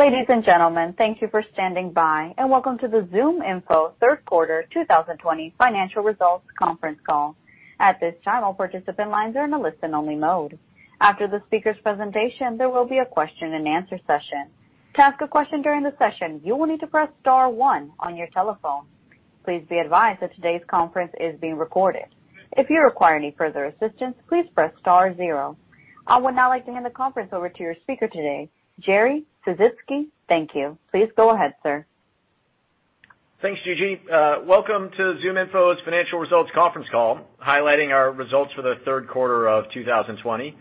Ladies and gentlemen, thank you for standing by and welcome to the ZoomInfo third quarter 2020 financial results conference call. I would now like to hand the conference over to your speaker today, Jerry Sisitsky. Thank you. Please go ahead, sir. Thanks, Gigi. Welcome to ZoomInfo's financial results conference call, highlighting our results for the third quarter of 2020.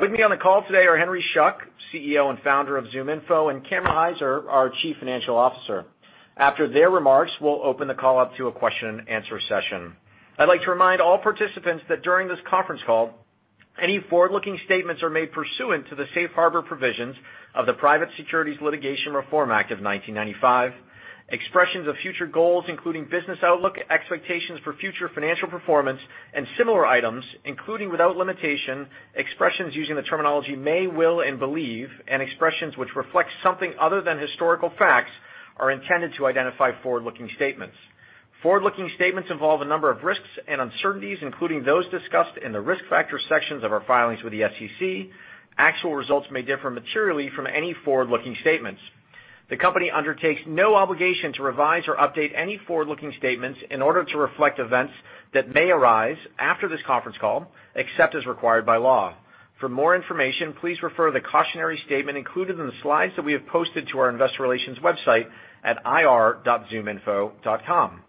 With me on the call today are Henry Schuck, CEO and founder of ZoomInfo, and Cameron Hyzer, our Chief Financial Officer. After their remarks, we'll open the call up to a question and answer session. I'd like to remind all participants that during this conference call, any forward-looking statements are made pursuant to the safe harbor provisions of the Private Securities Litigation Reform Act of 1995. Expressions of future goals, including business outlook, expectations for future financial performance, and similar items, including, without limitation, expressions using the terminology may, will, and believe, expressions which reflect something other than historical facts are intended to identify forward-looking statements. Forward-looking statements involve a number of risks and uncertainties, including those discussed in the Risk Factors sections of our filings with the SEC. Actual results may differ materially from any forward-looking statements. The company undertakes no obligation to revise or update any forward-looking statements in order to reflect events that may arise after this conference call, except as required by law. For more information, please refer to the cautionary statement included in the slides that we have posted to our investor relations website at ir.zoominfo.com.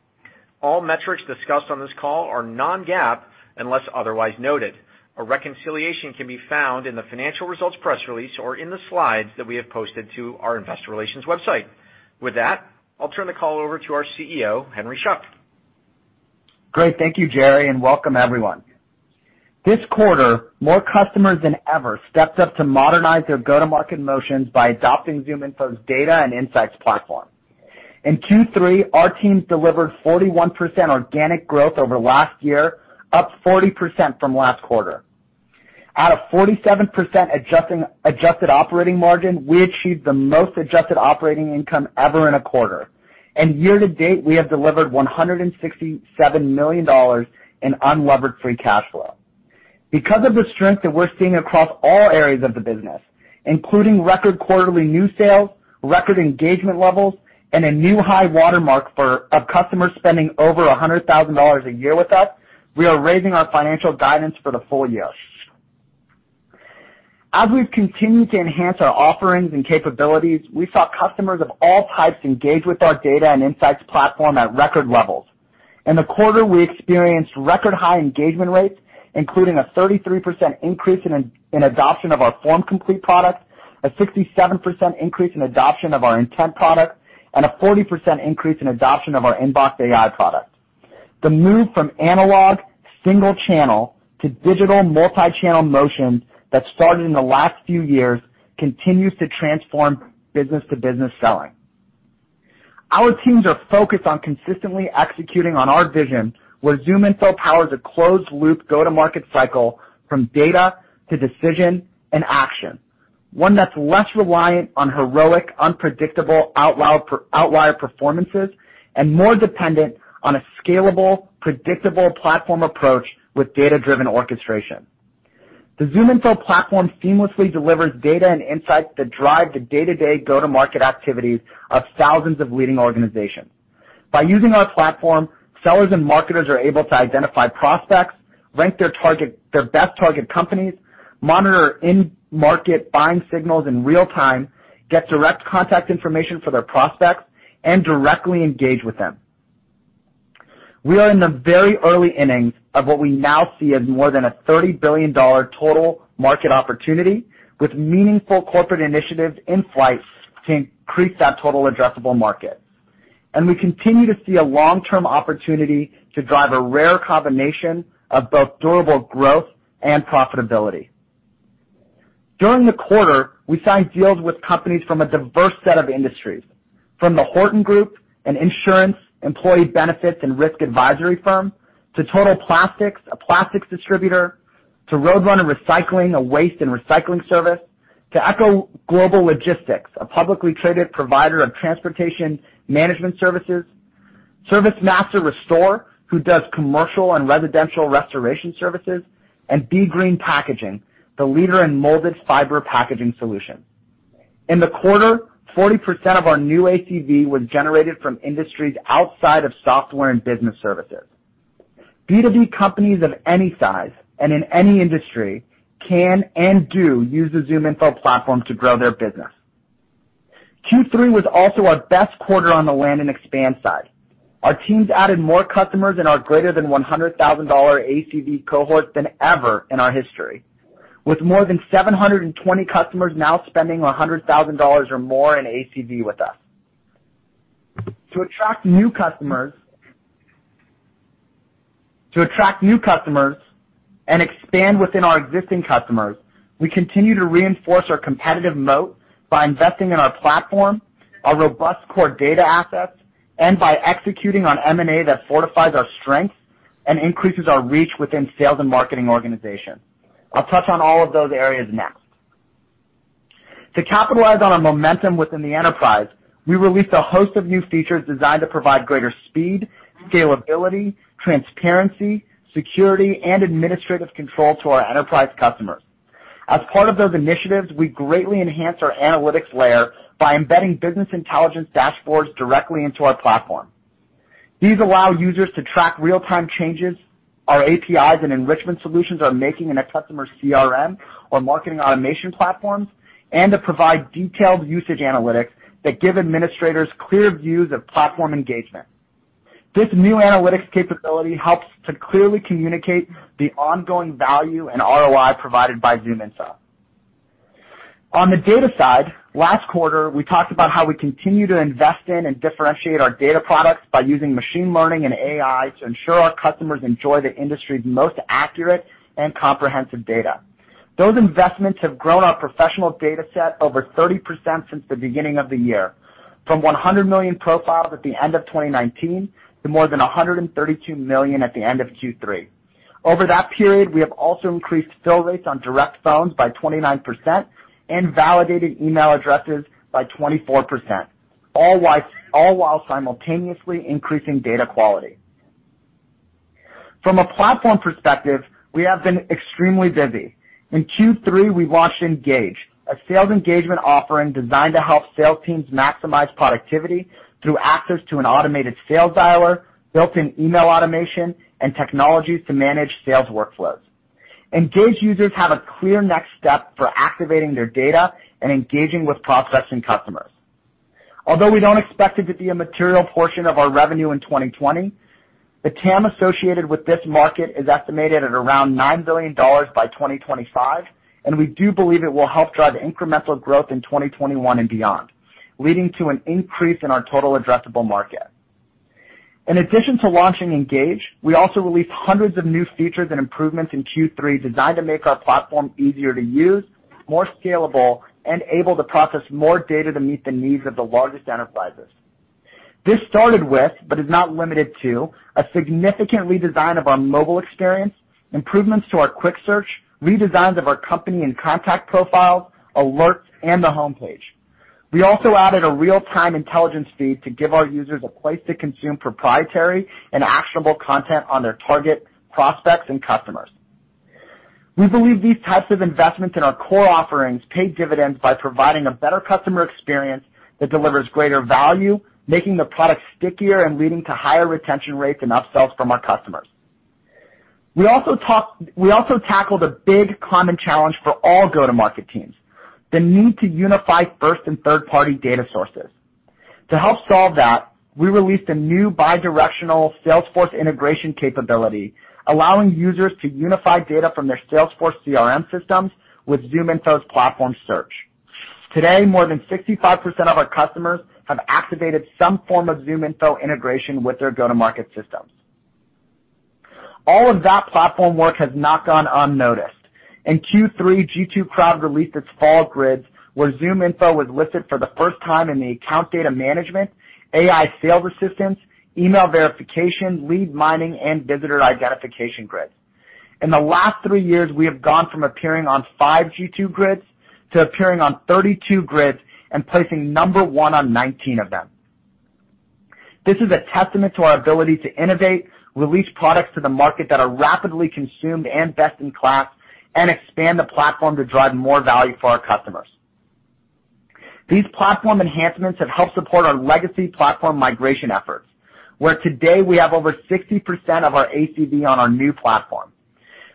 All metrics discussed on this call are non-GAAP, unless otherwise noted. A reconciliation can be found in the financial results press release or in the slides that we have posted to our investor relations website. With that, I'll turn the call over to our CEO, Henry Schuck. Great. Thank you, Jerry, welcome everyone. This quarter, more customers than ever stepped up to modernize their go-to-market motions by adopting ZoomInfo's data and insights platform. In Q3, our teams delivered 41% organic growth over last year, up 40% from last quarter. Out of 47% adjusted operating margin, we achieved the most adjusted operating income ever in a quarter. Year to date, we have delivered $167 million in unlevered free cash flow. Because of the strength that we're seeing across all areas of the business, including record quarterly new sales, record engagement levels, and a new high watermark of customers spending over $100,000 a year with us, we are raising our financial guidance for the full year. As we've continued to enhance our offerings and capabilities, we saw customers of all types engage with our data and insights platform at record levels. In the quarter, we experienced record high engagement rates, including a 33% increase in adoption of our FormComplete product, a 67% increase in adoption of our Intent product, and a 40% increase in adoption of our InboxAI product. The move from analog single channel to digital multi-channel motion that started in the last few years continues to transform business to business selling. Our teams are focused on consistently executing on our vision, where ZoomInfo powers a closed loop go-to-market cycle from data to decision and action. One that's less reliant on heroic, unpredictable, outlier performances, and more dependent on a scalable, predictable platform approach with data-driven orchestration. The ZoomInfo platform seamlessly delivers data and insights that drive the day-to-day go-to-market activities of thousands of leading organizations. By using our platform, sellers and marketers are able to identify prospects, rank their best target companies, monitor end market buying signals in real time, get direct contact information for their prospects, and directly engage with them. We are in the very early innings of what we now see as more than a $30 billion total market opportunity, with meaningful corporate initiatives in flight to increase that total addressable market. We continue to see a long-term opportunity to drive a rare combination of both durable growth and profitability. During the quarter, we signed deals with companies from a diverse set of industries, from The Horton Group, an insurance, employee benefits, and risk advisory firm, to Total Plastics, a plastics distributor, to RoadRunner Recycling, a waste and recycling service, to Echo Global Logistics, a publicly traded provider of transportation management services, ServiceMaster Restore, who does commercial and residential restoration services, and Be Green Packaging, the leader in molded fiber packaging solutions. In the quarter, 40% of our new ACV was generated from industries outside of software and business services. B2B companies of any size and in any industry can and do use the ZoomInfo platform to grow their business. Q3 was also our best quarter on the land and expand side. Our teams added more customers in our greater than $100,000 ACV cohort than ever in our history, with more than 720 customers now spending $100,000 or more in ACV with us. To attract new customers and expand within our existing customers, we continue to reinforce our competitive moat by investing in our platform, our robust core data assets, and by executing on M&A that fortifies our strength and increases our reach within sales and marketing organization. I'll touch on all of those areas next. To capitalize on our momentum within the enterprise, we released a host of new features designed to provide greater speed, scalability, transparency, security, and administrative control to our enterprise customers. As part of those initiatives, we greatly enhanced our analytics layer by embedding business intelligence dashboards directly into our platform. These allow users to track real-time changes our APIs and enrichment solutions are making in a customer's CRM or marketing automation platforms, and to provide detailed usage analytics that give administrators clear views of platform engagement. This new analytics capability helps to clearly communicate the ongoing value and ROI provided by ZoomInfo. On the data side, last quarter, we talked about how we continue to invest in and differentiate our data products by using machine learning and AI to ensure our customers enjoy the industry's most accurate and comprehensive data. Those investments have grown our professional data set over 30% since the beginning of the year. From 100 million profiles at the end of 2019, to more than 132 million at the end of Q3. Over that period, we have also increased fill rates on direct phones by 29% and validated email addresses by 24%, all while simultaneously increasing data quality. From a platform perspective, we have been extremely busy. In Q3, we launched Engage, a sales engagement offering designed to help sales teams maximize productivity through access to an automated sales dialer, built-in email automation, and technologies to manage sales workflows. Engage users have a clear next step for activating their data and engaging with prospects and customers. Although we don't expect it to be a material portion of our revenue in 2020, the TAM associated with this market is estimated at around $9 billion by 2025, and we do believe it will help drive incremental growth in 2021 and beyond, leading to an increase in our total addressable market. In addition to launching Engage, we also released hundreds of new features and improvements in Q3 designed to make our platform easier to use, more scalable, and able to process more data to meet the needs of the largest enterprises. This started with, but is not limited to, a significant redesign of our mobile experience, improvements to our quick search, redesigns of our company and contact profiles, alerts, and the homepage. We also added a real-time intelligence feed to give our users a place to consume proprietary and actionable content on their target prospects and customers. We believe these types of investments in our core offerings pay dividends by providing a better customer experience that delivers greater value, making the product stickier and leading to higher retention rates and upsells from our customers. We also tackled a big common challenge for all go-to-market teams, the need to unify first and third-party data sources. To help solve that, we released a new bi-directional Salesforce integration capability, allowing users to unify data from their Salesforce CRM systems with ZoomInfo's platform search. Today, more than 65% of our customers have activated some form of ZoomInfo integration with their go-to-market systems. All of that platform work has not gone unnoticed. In Q3, G2 released its fall grids, where ZoomInfo was listed for the first time in the account data management, AI Sales Assistance, email verification, lead mining, and visitor identification grids. In the last three years, we have gone from appearing on five G2 grids to appearing on 32 grids and placing number one on 19 of them. This is a testament to our ability to innovate, release products to the market that are rapidly consumed and best in class, and expand the platform to drive more value for our customers. These platform enhancements have helped support our legacy platform migration efforts, where today we have over 60% of our ACV on our new platform.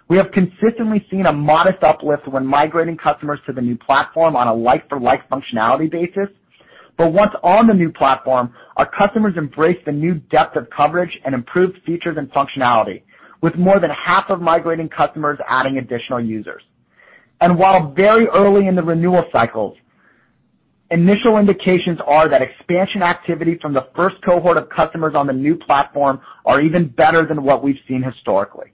We have consistently seen a modest uplift when migrating customers to the new platform on a like for like functionality basis. Once on the new platform, our customers embrace the new depth of coverage and improved features and functionality, with more than half of migrating customers adding additional users. While very early in the renewal cycles, initial indications are that expansion activity from the first cohort of customers on the new platform are even better than what we've seen historically.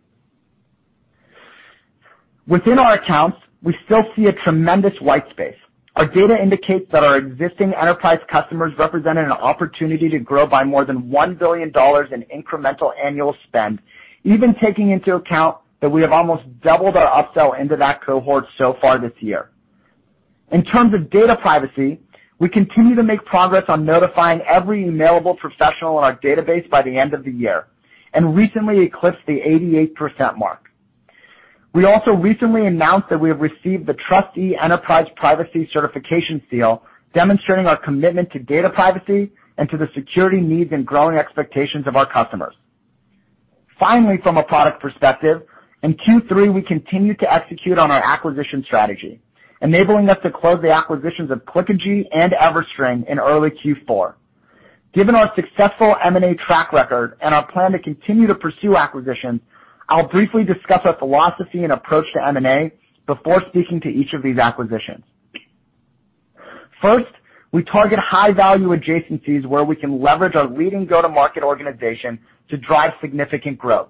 Within our accounts, we still see a tremendous white space. Our data indicates that our existing enterprise customers represent an opportunity to grow by more than $1 billion in incremental annual spend, even taking into account that we have almost doubled our upsell into that cohort so far this year. In terms of data privacy, we continue to make progress on notifying every mailable professional in our database by the end of the year, and recently eclipsed the 88% mark. We also recently announced that we have received the TRUSTe Enterprise Privacy Certification seal, demonstrating our commitment to data privacy and to the security needs and growing expectations of our customers. Finally, from a product perspective, in Q3 we continued to execute on our acquisition strategy, enabling us to close the acquisitions of Clickagy and EverString in early Q4. Given our successful M&A track record and our plan to continue to pursue acquisitions, I'll briefly discuss our philosophy and approach to M&A before speaking to each of these acquisitions. First, we target high-value adjacencies where we can leverage our leading go-to-market organization to drive significant growth.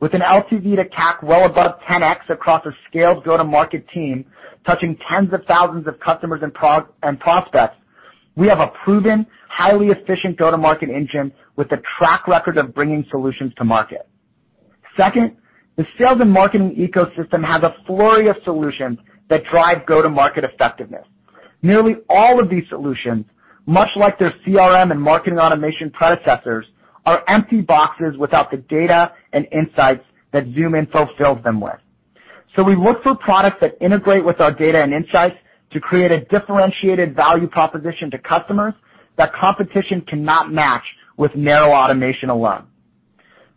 With an LTV to CAC well above 10x across a scaled go-to-market team touching tens of thousands of customers and prospects. We have a proven, highly efficient go-to-market engine with a track record of bringing solutions to market. Second, the sales and marketing ecosystem has a flurry of solutions that drive go-to-market effectiveness. Nearly all of these solutions, much like their CRM and marketing automation predecessors, are empty boxes without the data and insights that ZoomInfo fills them with. We look for products that integrate with our data and insights to create a differentiated value proposition to customers that competition cannot match with narrow automation alone.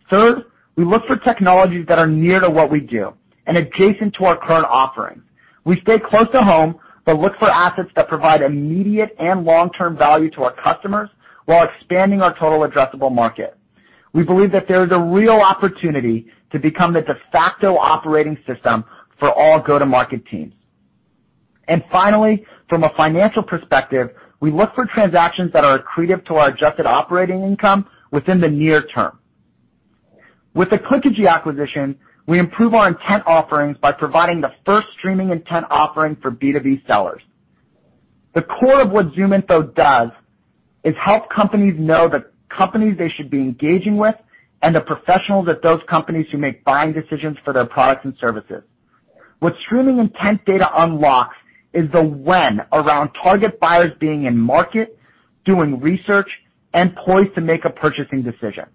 Third, we look for technologies that are near to what we do and adjacent to our current offerings. We stay close to home, but look for assets that provide immediate and long-term value to our customers while expanding our total addressable market. We believe that there is a real opportunity to become the de facto operating system for all go-to-market teams. Finally, from a financial perspective, we look for transactions that are accretive to our adjusted operating income within the near term. With the Clickagy acquisition, we improve our Intent offerings by providing the first streaming Intent offering for B2B sellers. The core of what ZoomInfo does is help companies know the companies they should be engaging with and the professionals at those companies who make buying decisions for their products and services. What streaming Intent data unlocks is the when around target buyers being in market, doing research, and poised to make a purchasing decision.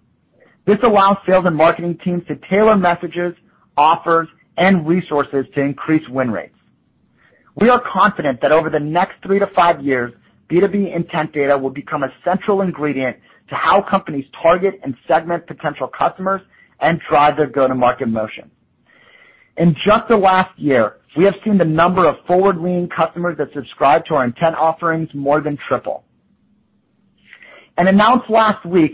This allows sales and marketing teams to tailor messages, offers, and resources to increase win rates. We are confident that over the next three to five years, B2B Intent data will become a central ingredient to how companies target and segment potential customers and drive their go-to-market motion. In just the last year, we have seen the number of forward-lean customers that subscribe to our Intent offerings more than triple. Announced last week,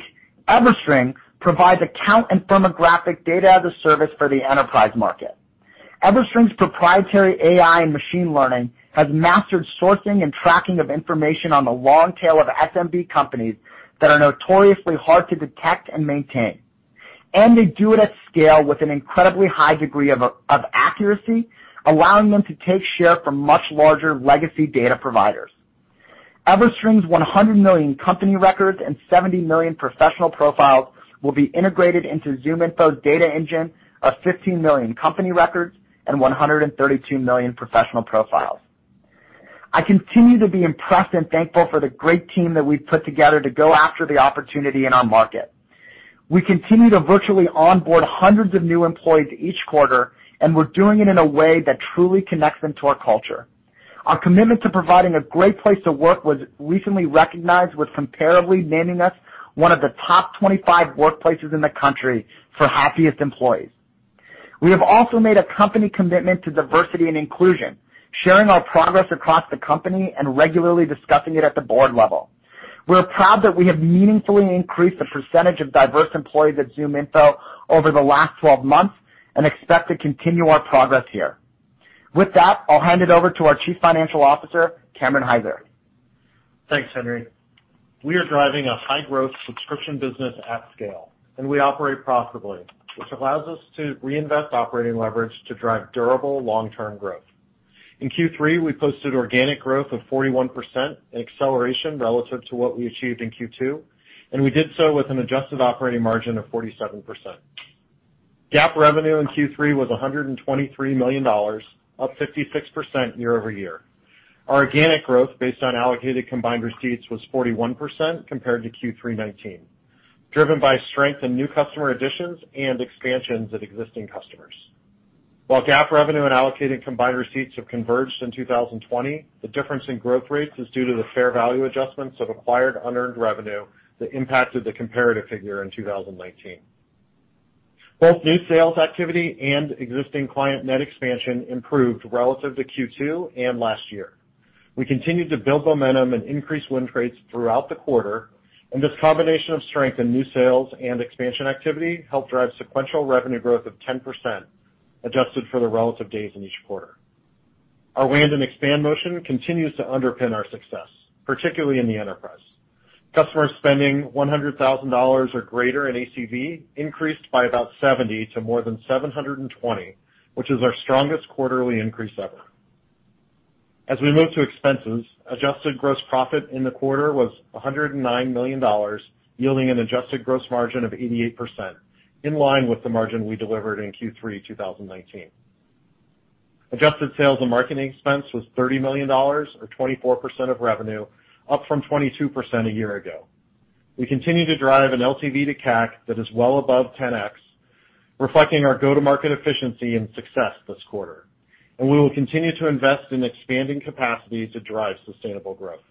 EverString provides account and firmographic data as a service for the enterprise market. EverString's proprietary AI and machine learning has mastered sourcing and tracking of information on the long tail of SMB companies that are notoriously hard to detect and maintain. They do it at scale with an incredibly high degree of accuracy, allowing them to take share from much larger legacy data providers. EverString's 100 million company records and 70 million professional profiles will be integrated into ZoomInfo's data engine of 15 million company records and 132 million professional profiles. I continue to be impressed and thankful for the great team that we've put together to go after the opportunity in our market. We continue to virtually onboard hundreds of new employees each quarter, and we're doing it in a way that truly connects them to our culture. Our commitment to providing a great place to work was recently recognized with Comparably naming us one of the top 25 workplaces in the country for happiest employees. We have also made a company commitment to diversity and inclusion, sharing our progress across the company and regularly discussing it at the board level. We're proud that we have meaningfully increased the percentage of diverse employees at ZoomInfo over the last 12 months and expect to continue our progress here. With that, I'll hand it over to our Chief Financial Officer, Cameron Hyzer. Thanks, Henry. We are driving a high-growth subscription business at scale, and we operate profitably, which allows us to reinvest operating leverage to drive durable long-term growth. In Q3, we posted organic growth of 41%, an acceleration relative to what we achieved in Q2, and we did so with an adjusted operating margin of 47%. GAAP revenue in Q3 was $123 million, up 56% year-over-year. Our organic growth based on allocated combined receipts was 41% compared to Q3 '19, driven by strength in new customer additions and expansions of existing customers. While GAAP revenue and allocated combined receipts have converged in 2020, the difference in growth rates is due to the fair value adjustments of acquired unearned revenue that impacted the comparative figure in 2019. Both new sales activity and existing client net expansion improved relative to Q2 and last year. We continued to build momentum and increase win rates throughout the quarter. This combination of strength in new sales and expansion activity helped drive sequential revenue growth of 10%, adjusted for the relative days in each quarter. Our land and expand motion continues to underpin our success, particularly in the enterprise. Customer spending $100,000 or greater in ACV increased by about 70 to more than 720, which is our strongest quarterly increase ever. As we move to expenses, adjusted gross profit in the quarter was $109 million, yielding an adjusted gross margin of 88%, in line with the margin we delivered in Q3 2019. Adjusted sales and marketing expense was $30 million, or 24% of revenue, up from 22% a year ago. We continue to drive an LTV to CAC that is well above 10X, reflecting our go-to-market efficiency and success this quarter, and we will continue to invest in expanding capacity to drive sustainable growth.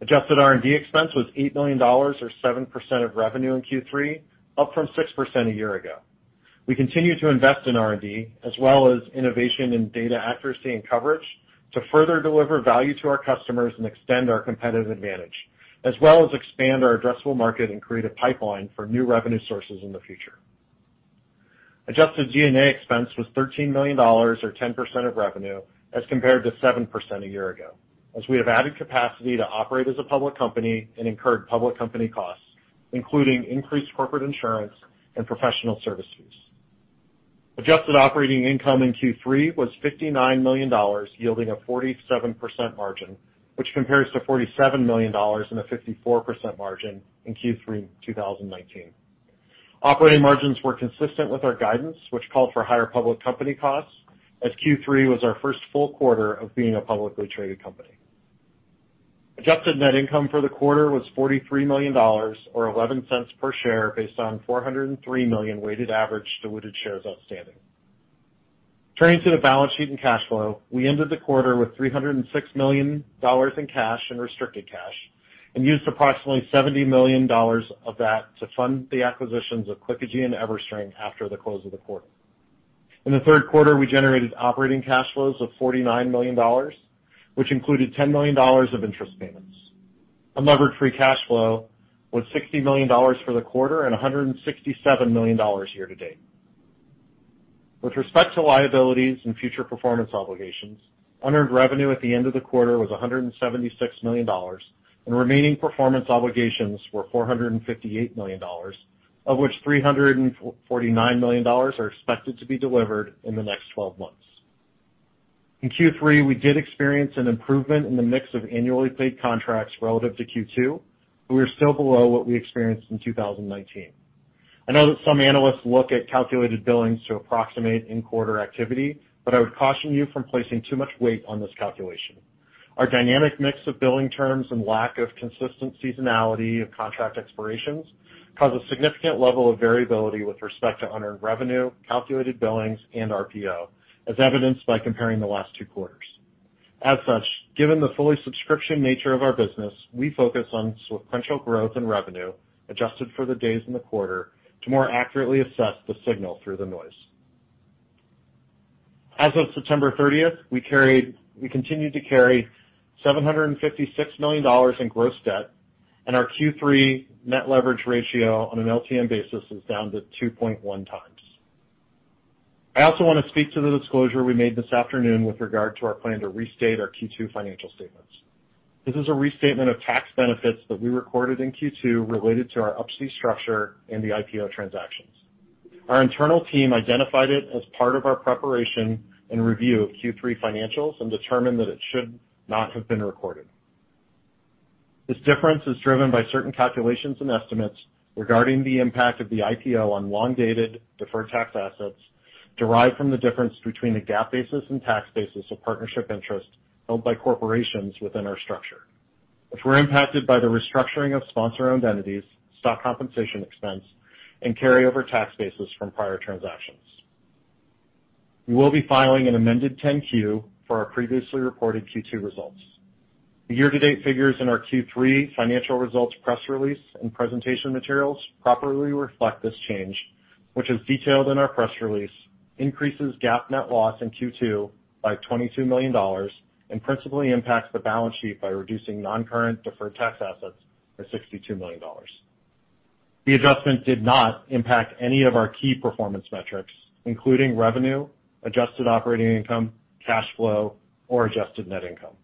Adjusted R&D expense was $8 million, or 7% of revenue in Q3, up from 6% a year ago. We continue to invest in R&D, as well as innovation in data accuracy and coverage to further deliver value to our customers and extend our competitive advantage, as well as expand our addressable market and create a pipeline for new revenue sources in the future. Adjusted G&A expense was $13 million, or 10% of revenue, as compared to 7% a year ago, as we have added capacity to operate as a public company and incurred public company costs, including increased corporate insurance and professional services. Adjusted operating income in Q3 was $59 million, yielding a 47% margin, which compares to $47 million in a 54% margin in Q3 2019. Operating margins were consistent with our guidance, which called for higher public company costs, as Q3 was our first full quarter of being a publicly traded company. Adjusted net income for the quarter was $43 million, or $0.11 per share, based on 403 million weighted average diluted shares outstanding. Turning to the balance sheet and cash flow, we ended the quarter with $306 million in cash and restricted cash and used approximately $70 million of that to fund the acquisitions of Clickagy and EverString after the close of the quarter. In the third quarter, we generated operating cash flows of $49 million, which included $10 million of interest payments. Unlevered free cash flow was $60 million for the quarter and $167 million year-to-date. With respect to liabilities and future performance obligations, unearned revenue at the end of the quarter was $176 million, and remaining performance obligations were $458 million, of which $349 million are expected to be delivered in the next 12 months. In Q3, we did experience an improvement in the mix of annually paid contracts relative to Q2. We are still below what we experienced in 2019. I know that some analysts look at calculated billings to approximate in-quarter activity, but I would caution you from placing too much weight on this calculation. Our dynamic mix of billing terms and lack of consistent seasonality of contract expirations cause a significant level of variability with respect to unearned revenue, calculated billings, and RPO, as evidenced by comparing the last two quarters. As such, given the fully subscription nature of our business, we focus on sequential growth and revenue, adjusted for the days in the quarter, to more accurately assess the signal through the noise. As of September 30th, we continue to carry $756 million in gross debt, and our Q3 net leverage ratio on an LTM basis is down to 2.1 times. I also want to speak to the disclosure we made this afternoon with regard to our plan to restate our Q2 financial statements. This is a restatement of tax benefits that we recorded in Q2 related to our Up-C structure and the IPO transactions. Our internal team identified it as part of our preparation and review of Q3 financials and determined that it should not have been recorded. This difference is driven by certain calculations and estimates regarding the impact of the IPO on long-dated deferred tax assets derived from the difference between the GAAP basis and tax basis of partnership interest held by corporations within our structure, which were impacted by the restructuring of sponsor-owned entities, stock compensation expense, and carryover tax basis from prior transactions. We will be filing an amended 10-Q for our previously reported Q2 results. The year-to-date figures in our Q3 financial results press release and presentation materials properly reflect this change, which is detailed in our press release, increases GAAP net loss in Q2 by $22 million, and principally impacts the balance sheet by reducing non-current deferred tax assets by $62 million. The adjustment did not impact any of our key performance metrics, including revenue, adjusted operating income, cash flow, or adjusted net income.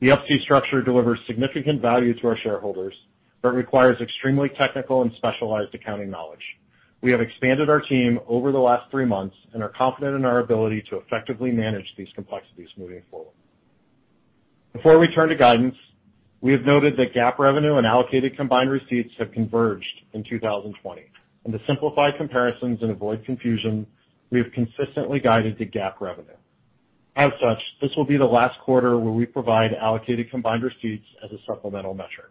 The Up-C structure delivers significant value to our shareholders but requires extremely technical and specialized accounting knowledge. We have expanded our team over the last three months and are confident in our ability to effectively manage these complexities moving forward. Before we turn to guidance, we have noted that GAAP revenue and allocated combined receipts have converged in 2020, and to simplify comparisons and avoid confusion, we have consistently guided to GAAP revenue. As such, this will be the last quarter where we provide allocated combined receipts as a supplemental metric.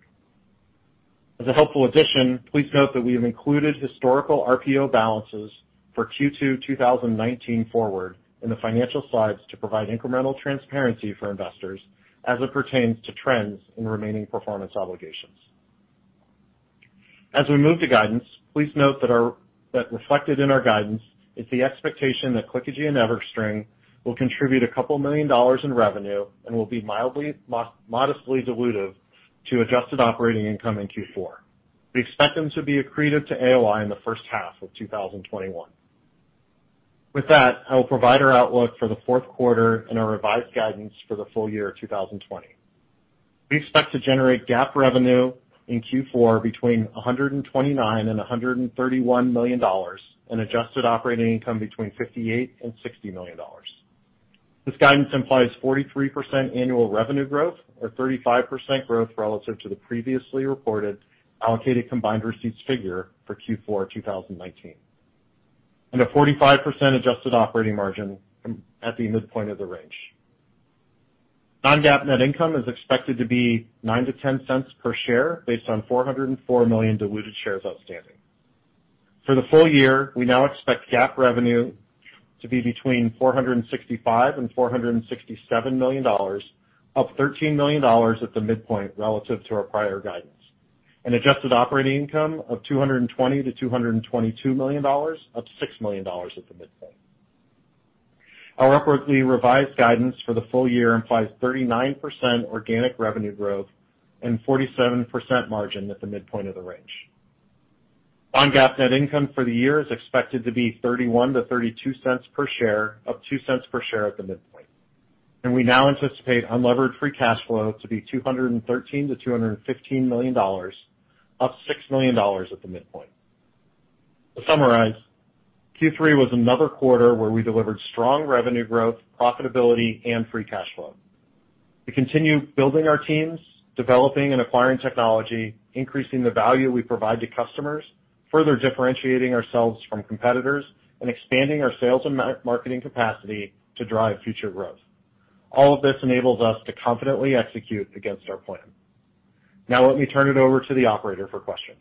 As a helpful addition, please note that we have included historical RPO balances for Q2 2019 forward in the financial slides to provide incremental transparency for investors as it pertains to trends in remaining performance obligations. As we move to guidance, please note that reflected in our guidance is the expectation that Clickagy and EverString will contribute a couple million dollars in revenue and will be modestly dilutive to adjusted operating income in Q4. We expect them to be accretive to AOI in the first half of 2021. With that, I will provide our outlook for the fourth quarter and our revised guidance for the full year of 2020. We expect to generate GAAP revenue in Q4 between $129 million and $131 million, an adjusted operating income between $58 million and $60 million. This guidance implies 43% annual revenue growth or 35% growth relative to the previously reported allocated combined receipts figure for Q4 2019, and a 45% adjusted operating margin at the midpoint of the range. Non-GAAP net income is expected to be $0.09-$0.10 per share based on 404 million diluted shares outstanding. For the full year, we now expect GAAP revenue to be between $465 million and $467 million, up $13 million at the midpoint relative to our prior guidance, and adjusted operating income of $220 million-$222 million, up $6 million at the midpoint. Our upwardly revised guidance for the full year implies 39% organic revenue growth and 47% margin at the midpoint of the range. Non-GAAP net income for the year is expected to be $0.31-$0.32 per share, up $0.02 per share at the midpoint. We now anticipate unlevered free cash flow to be $213 million-$215 million, up $6 million at the midpoint. To summarize, Q3 was another quarter where we delivered strong revenue growth, profitability, and free cash flow. We continue building our teams, developing and acquiring technology, increasing the value we provide to customers, further differentiating ourselves from competitors, and expanding our sales and marketing capacity to drive future growth. All of this enables us to confidently execute against our plan. Let me turn it over to the operator for questions.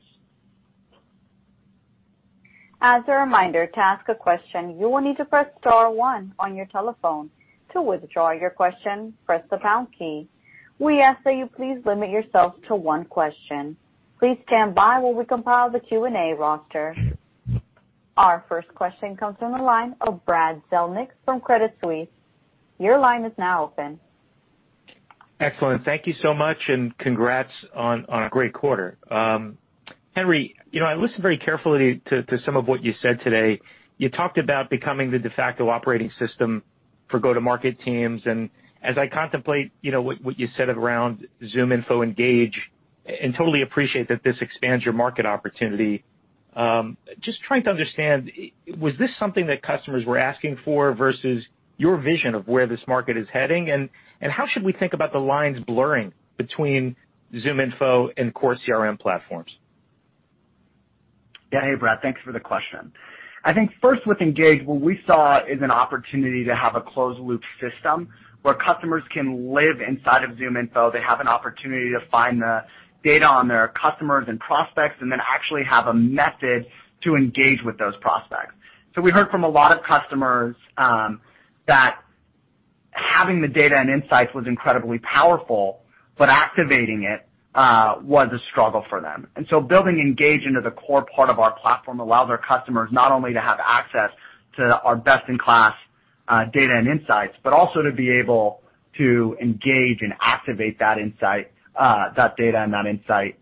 Our first question comes from the line of Brad Zelnick from Credit Suisse. Excellent. Thank you so much, and congrats on a great quarter. Henry, I listened very carefully to some of what you said today. You talked about becoming the de facto operating system for go-to-market teams, and as I contemplate what you said around ZoomInfo Engage, and totally appreciate that this expands your market opportunity, just trying to understand, was this something that customers were asking for versus your vision of where this market is heading? And how should we think about the lines blurring between ZoomInfo and core CRM platforms? Yeah. Hey, Brad. Thanks for the question. I think first with Engage, what we saw is an opportunity to have a closed-loop system where customers can live inside of ZoomInfo. They have an opportunity to find the data on their customers and prospects, and then actually have a method to engage with those prospects. We heard from a lot of customers that having the data and insights was incredibly powerful, but activating it was a struggle for them. Building Engage into the core part of our platform allows our customers not only to have access to our best-in-class data and insights, but also to be able to engage and activate that data and that insight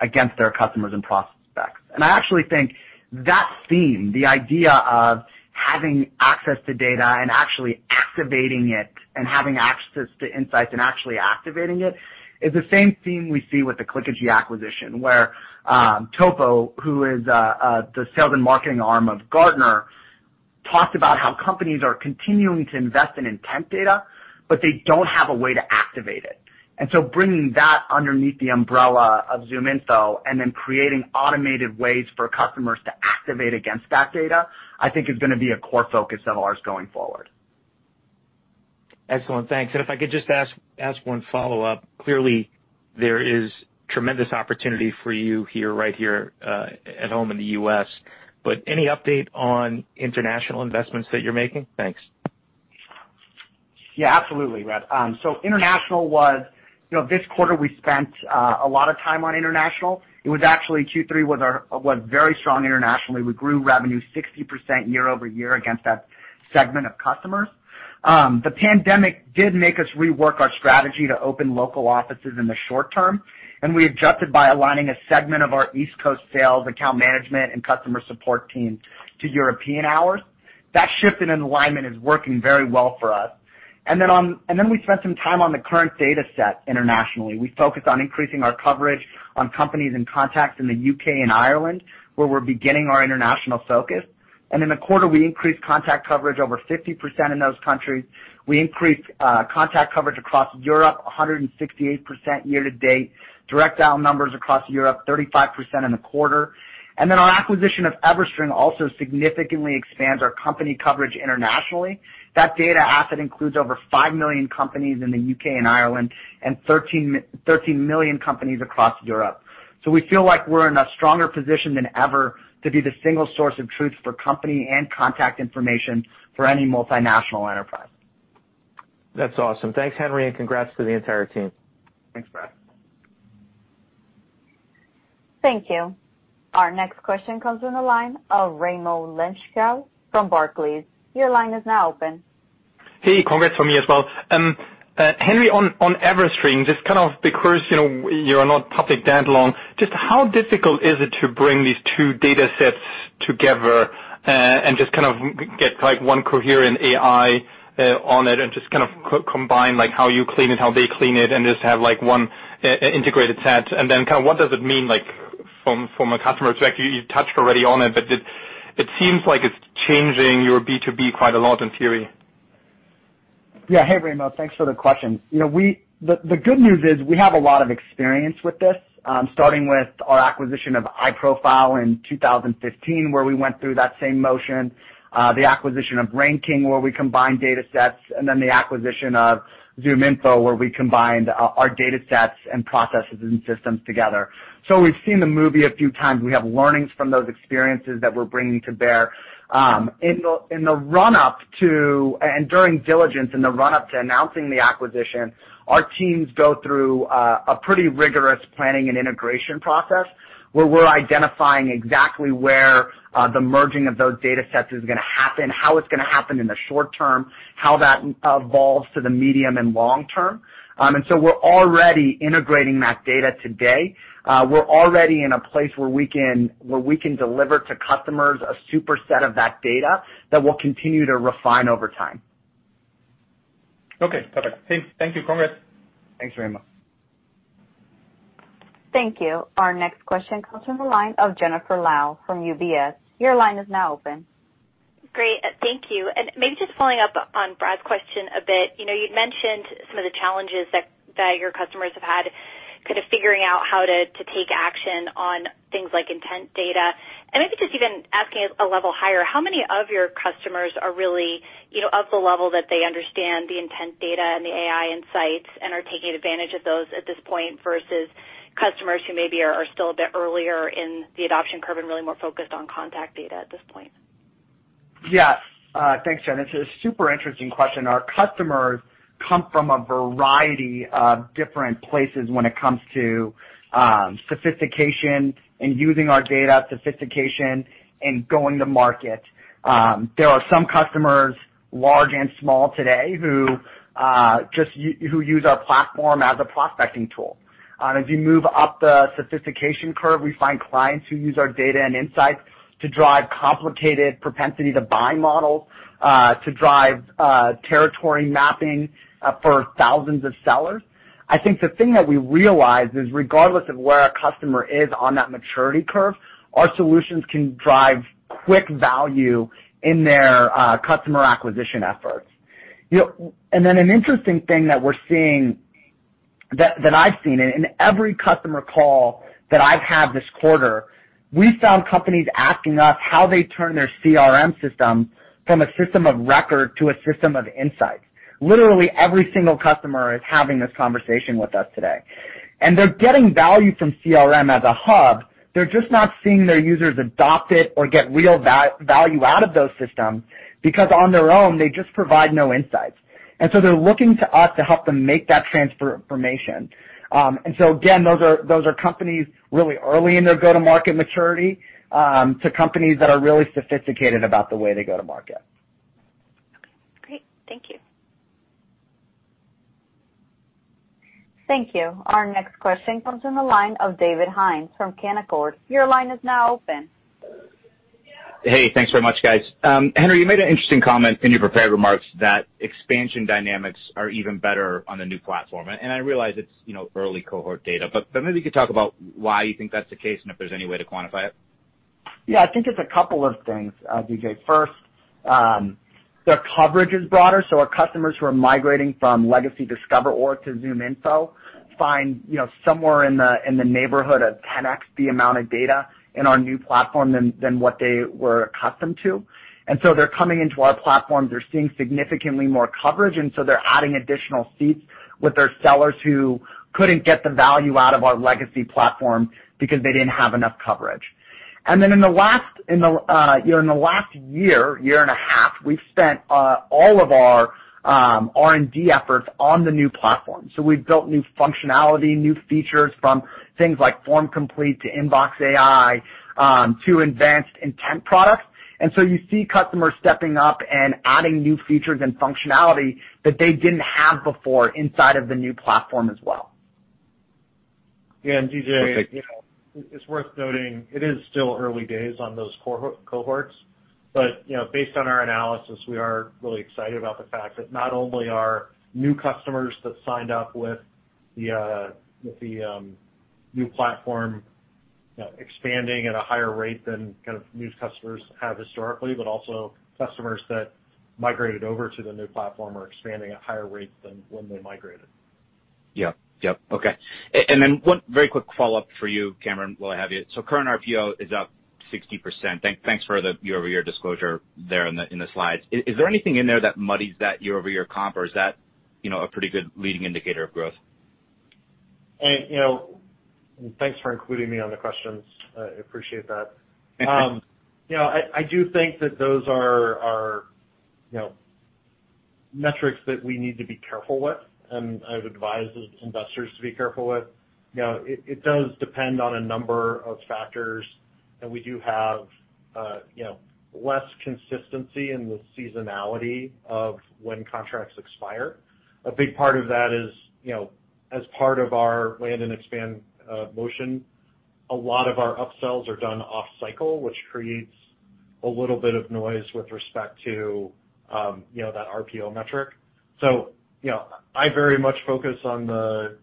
against their customers and prospects. I actually think that theme, the idea of having access to data and actually activating it, and having access to insights and actually activating it, is the same theme we see with the Clickagy acquisition, where TOPO, who is the sales and marketing arm of Gartner, talked about how companies are continuing to invest in Intent data, but they don't have a way to activate it. Bringing that underneath the umbrella of ZoomInfo and then creating automated ways for customers to activate against that data, I think is going to be a core focus of ours going forward. Excellent. Thanks. If I could just ask one follow-up. Clearly, there is tremendous opportunity for you right here at home in the U.S., but any update on international investments that you're making? Thanks. Absolutely, Brad. This quarter we spent a lot of time on international. It was actually Q3 was very strong internationally. We grew revenue 60% year-over-year against that segment of customers. The pandemic did make us rework our strategy to open local offices in the short term, and we adjusted by aligning a segment of our East Coast sales, account management, and customer support team to European hours. That shift in alignment is working very well for us. We spent some time on the current data set internationally. We focused on increasing our coverage on companies and contacts in the U.K. and Ireland, where we're beginning our international focus. In the quarter, we increased contact coverage over 50% in those countries. We increased contact coverage across Europe 168% year-to-date, direct dial numbers across Europe 35% in the quarter. Our acquisition of EverString also significantly expands our company coverage internationally. That data asset includes over five million companies in the U.K. and Ireland, and 13 million companies across Europe. We feel like we're in a stronger position than ever to be the single source of truth for company and contact information for any multinational enterprise. That's awesome. Thanks, Henry, and congrats to the entire team. Thanks, Brad. Thank you. Our next question comes from the line of Raimo Lenschow from Barclays. Your line is now open. Hey, congrats from me as well. Henry, on EverString, just kind of because you're not public that long, just how difficult is it to bring these two data sets together, and just get one coherent AI on it and just combine how you clean it, how they clean it, and just have one integrated set? What does it mean from a customer perspective? You touched already on it, but it seems like it's changing your B2B quite a lot in theory. Yeah. Hey, Raimo. Thanks for the question. The good news is we have a lot of experience with this, starting with our acquisition of iProfile in 2015, where we went through that same motion, the acquisition of RainKing, where we combined data sets, and then the acquisition of ZoomInfo, where we combined our data sets and processes and systems together. We've seen the movie a few times. We have learnings from those experiences that we're bringing to bear. In the run-up to, and during diligence in the run-up to announcing the acquisition, our teams go through a pretty rigorous planning and integration process, where we're identifying exactly where the merging of those data sets is going to happen, how it's going to happen in the short term, how that evolves to the medium and long term. We're already integrating that data today. We're already in a place where we can deliver to customers a super set of that data that we'll continue to refine over time. Okay, perfect. Thank you. Congrats. Thanks, Raimo. Thank you. Our next question comes from the line of Jennifer Lowe from UBS. Your line is now open. Great. Thank you. Maybe just following up on Brad's question a bit. You'd mentioned some of the challenges that your customers have had figuring out how to take action on things like Intent data. Maybe just even asking a level higher, how many of your customers are really of the level that they understand the Intent data and the AI insights and are taking advantage of those at this point versus customers who maybe are still a bit earlier in the adoption curve and really more focused on contact data at this point? Yes. Thanks, Jen. It's a super interesting question. Our customers come from a variety of different places when it comes to sophistication in using our data, sophistication in going to market. There are some customers, large and small today, who use our platform as a prospecting tool. As you move up the sophistication curve, we find clients who use our data and insights to drive complicated propensity to buy models, to drive territory mapping for thousands of sellers. I think the thing that we realize is regardless of where a customer is on that maturity curve, our solutions can drive quick value in their customer acquisition efforts. An interesting thing that I've seen in every customer call that I've had this quarter, we found companies asking us how they turn their CRM system from a system of record to a system of insights. Literally, every single customer is having this conversation with us today, and they're getting value from CRM as a hub. They're just not seeing their users adopt it or get real value out of those systems because on their own, they just provide no insights. They're looking to us to help them make that transformation. Again, those are companies really early in their go-to-market maturity to companies that are really sophisticated about the way they go to market. Okay, great. Thank you. Thank you. Our next question comes from the line of David Hynes from Canaccord. Hey, thanks very much, guys. Henry, you made an interesting comment in your prepared remarks that expansion dynamics are even better on the new platform. I realize it's early cohort data, but maybe you could talk about why you think that's the case and if there's any way to quantify it. Yeah, I think it's a couple of things, DJ. First, their coverage is broader. Our customers who are migrating from legacy DiscoverOrg to ZoomInfo find somewhere in the neighborhood of 10X the amount of data in our new platform than what they were accustomed to. They're coming into our platform, they're seeing significantly more coverage, and so they're adding additional seats with their sellers who couldn't get the value out of our legacy platform because they didn't have enough coverage. In the last year and a half, we've spent all of our R&D efforts on the new platform. We've built new functionality, new features from things like FormComplete to InboxAI, to advanced Intent products. You see customers stepping up and adding new features and functionality that they didn't have before inside of the new platform as well. Yeah, DJ, it's worth noting it is still early days on those cohorts, but based on our analysis, we are really excited about the fact that not only are new customers that signed up with the new platform expanding at a higher rate than new customers have historically, but also customers that migrated over to the new platform are expanding at higher rates than when they migrated. Yep. Okay. One very quick follow-up for you, Cameron, while I have you. Current RPO is up 60%. Thanks for the year-over-year disclosure there in the slides. Is there anything in there that muddies that year-over-year comp, or is that a pretty good leading indicator of growth? Thanks for including me on the questions. I appreciate that. I do think that those are metrics that we need to be careful with, and I would advise investors to be careful with. It does depend on a number of factors, and we do have less consistency in the seasonality of when contracts expire. A big part of that is as part of our land and expand motion, a lot of our upsells are done off cycle, which creates a little bit of noise with respect to that RPO metric. I very much focus on the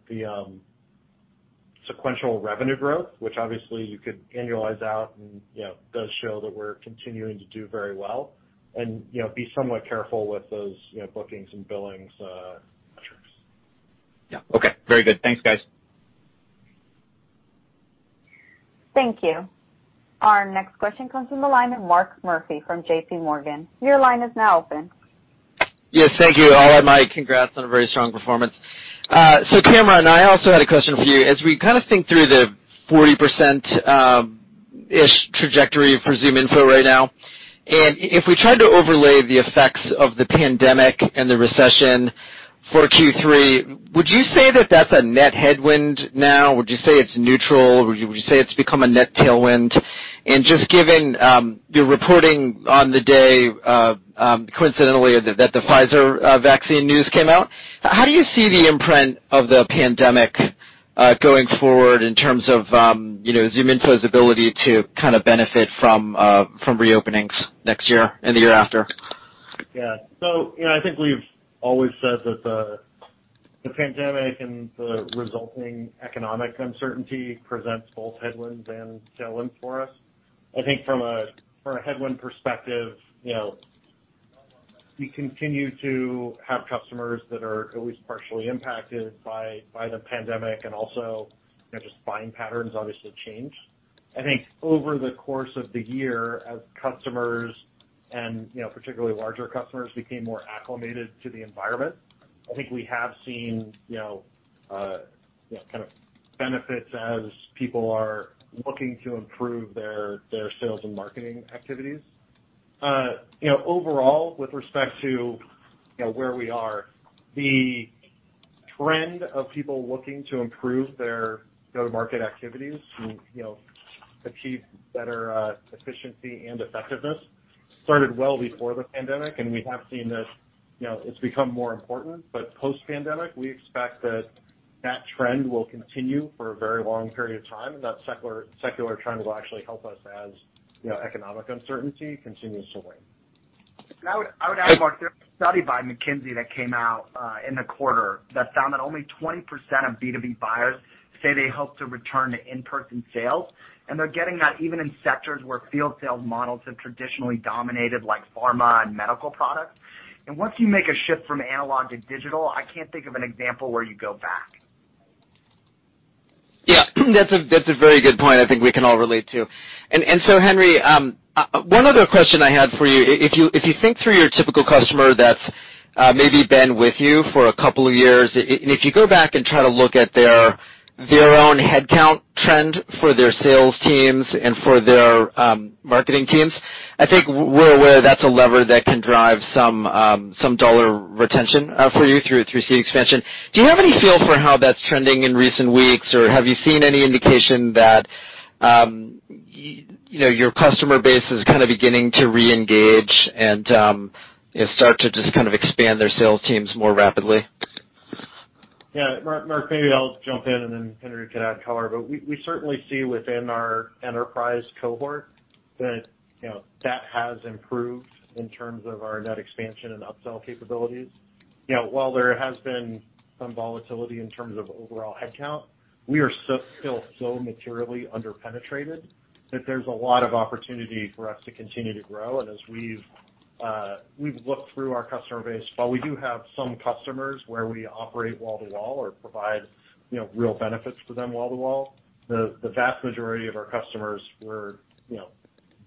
sequential revenue growth, which obviously you could annualize out and does show that we're continuing to do very well and be somewhat careful with those bookings and billings metrics. Yeah. Okay. Very good. Thanks, guys. Thank you. Our next question comes from the line of Mark Murphy from J.P. Morgan. Your line is now open. Yes, thank you. All of my congrats on a very strong performance. Cameron, I also had a question for you. As we think through the 40%-ish trajectory for ZoomInfo right now, and if we tried to overlay the effects of the pandemic and the recession for Q3, would you say that that's a net headwind now? Would you say it's neutral? Would you say it's become a net tailwind? Just given your reporting on the day, coincidentally that the Pfizer vaccine news came out, how do you see the imprint of the pandemic going forward in terms of ZoomInfo's ability to benefit from reopenings next year and the year after? Yeah. I think we've always said that the pandemic and the resulting economic uncertainty presents both headwinds and tailwinds for us. I think from a headwind perspective, we continue to have customers that are at least partially impacted by the pandemic. Also, just buying patterns obviously change. I think over the course of the year, as customers and particularly larger customers became more acclimated to the environment, I think we have seen benefits as people are looking to improve their sales and marketing activities. Overall, with respect to where we are, the trend of people looking to improve their go-to-market activities to achieve better efficiency and effectiveness started well before the pandemic, and we have seen that it's become more important. Post-pandemic, we expect that that trend will continue for a very long period of time, and that secular trend will actually help us as economic uncertainty continues to wane. I would add, Mark, there was a study by McKinsey that came out in the quarter that found that only 20% of B2B buyers say they hope to return to in-person sales, and they're getting that even in sectors where field sales models have traditionally dominated, like pharma and medical products. Once you make a shift from analog to digital, I can't think of an example where you go back. Yeah. That's a very good point I think we can all relate to. Henry, one other question I had for you. If you think through your typical customer that's maybe been with you for a couple of years, and if you go back and try to look at their own headcount trend for their sales teams and for their marketing teams, I think we're aware that's a lever that can drive some dollar retention for you through seat expansion. Do you have any feel for how that's trending in recent weeks, or have you seen any indication that your customer base is kind of beginning to reengage and start to just expand their sales teams more rapidly? Yeah. Mark, maybe I'll jump in and then Henry can add color. We certainly see within our enterprise cohort that has improved in terms of our net expansion and upsell capabilities. While there has been some volatility in terms of overall headcount, we are still so materially under-penetrated that there's a lot of opportunity for us to continue to grow. As we've looked through our customer base, while we do have some customers where we operate wall-to-wall or provide real benefits for them wall-to-wall, the vast majority of our customers were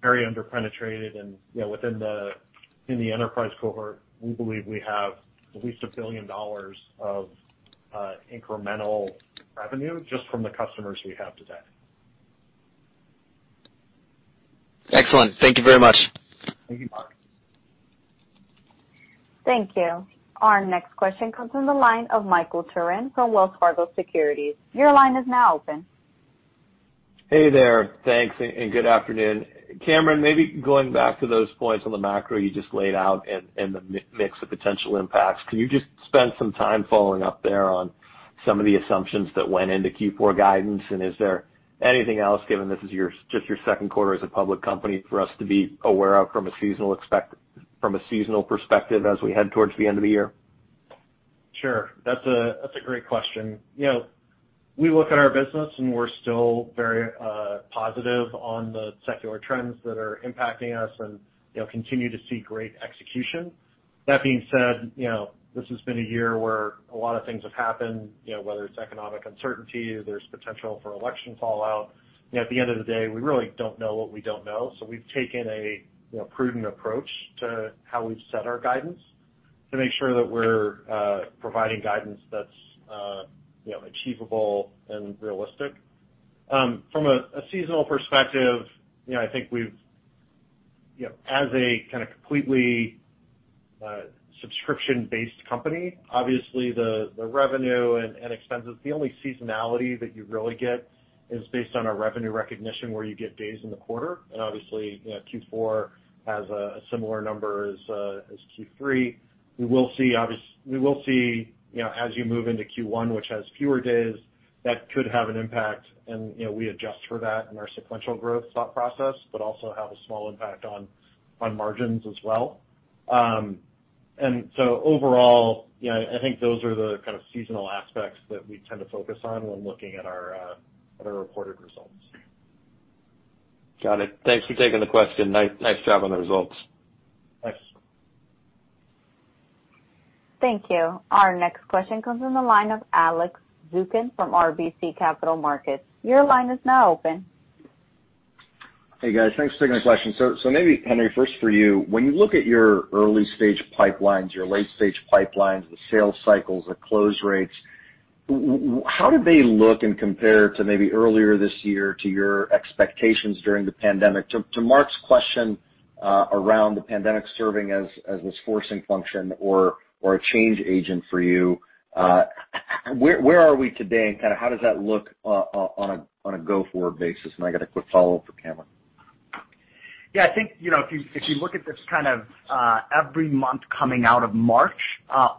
very under-penetrated. Within the enterprise cohort, we believe we have at least $1 billion of incremental revenue just from the customers we have today. Excellent. Thank you very much. Thank you, Mark. Thank you. Our next question comes from the line of Michael Turrin from Wells Fargo Securities. Your line is now open. Hey there. Thanks. Good afternoon. Cameron, maybe going back to those points on the macro you just laid out and the mix of potential impacts, can you just spend some time following up there on some of the assumptions that went into Q4 guidance? Is there anything else, given this is just your second quarter as a public company, for us to be aware of from a seasonal perspective as we head towards the end of the year? Sure. That's a great question. We look at our business, and we're still very positive on the secular trends that are impacting us and continue to see great execution. That being said, this has been a year where a lot of things have happened, whether it's economic uncertainty, there's potential for election fallout. At the end of the day, we really don't know what we don't know, so we've taken a prudent approach to how we've set our guidance to make sure that we're providing guidance that's achievable and realistic. From a seasonal perspective, I think as a kind of completely subscription-based company, obviously the revenue and expenses, the only seasonality that you really get is based on a revenue recognition where you get days in the quarter. Obviously, Q4 has a similar number as Q3. We will see as you move into Q1, which has fewer days, that could have an impact, and we adjust for that in our sequential growth thought process, but also have a small impact on margins as well. Overall, I think those are the kind of seasonal aspects that we tend to focus on when looking at our reported results. Got it. Thanks for taking the question. Nice job on the results. Thanks. Thank you. Our next question comes from the line of Alex Zukin from RBC Capital Markets. Your line is now open. Hey, guys. Thanks for taking my question. Maybe, Henry, first for you, when you look at your early-stage pipelines, your late-stage pipelines, the sales cycles, the close rates, how do they look and compare to maybe earlier this year to your expectations during the pandemic? To Mark's question around the pandemic serving as this forcing function or a change agent for you, where are we today, and how does that look on a go-forward basis? I got a quick follow-up for Cameron. Yeah, I think, if you look at this every month coming out of March,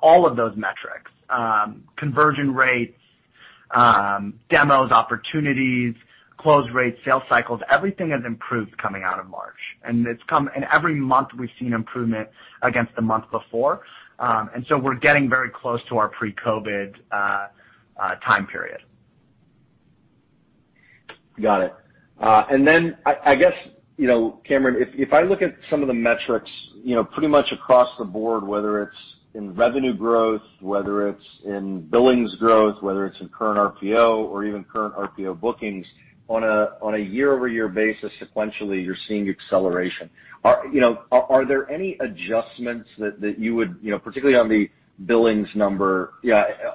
all of those metrics, conversion rate. Demos, opportunities, close rates, sales cycles, everything has improved coming out of March. Every month, we've seen improvement against the month before. We're getting very close to our pre-COVID time period. Got it. I guess, Cameron, if I look at some of the metrics, pretty much across the board, whether it's in revenue growth, whether it's in billings growth, whether it's in current RPO or even current RPO bookings on a year-over-year basis, sequentially, you're seeing acceleration. Are there any adjustments that you would, particularly on the billings number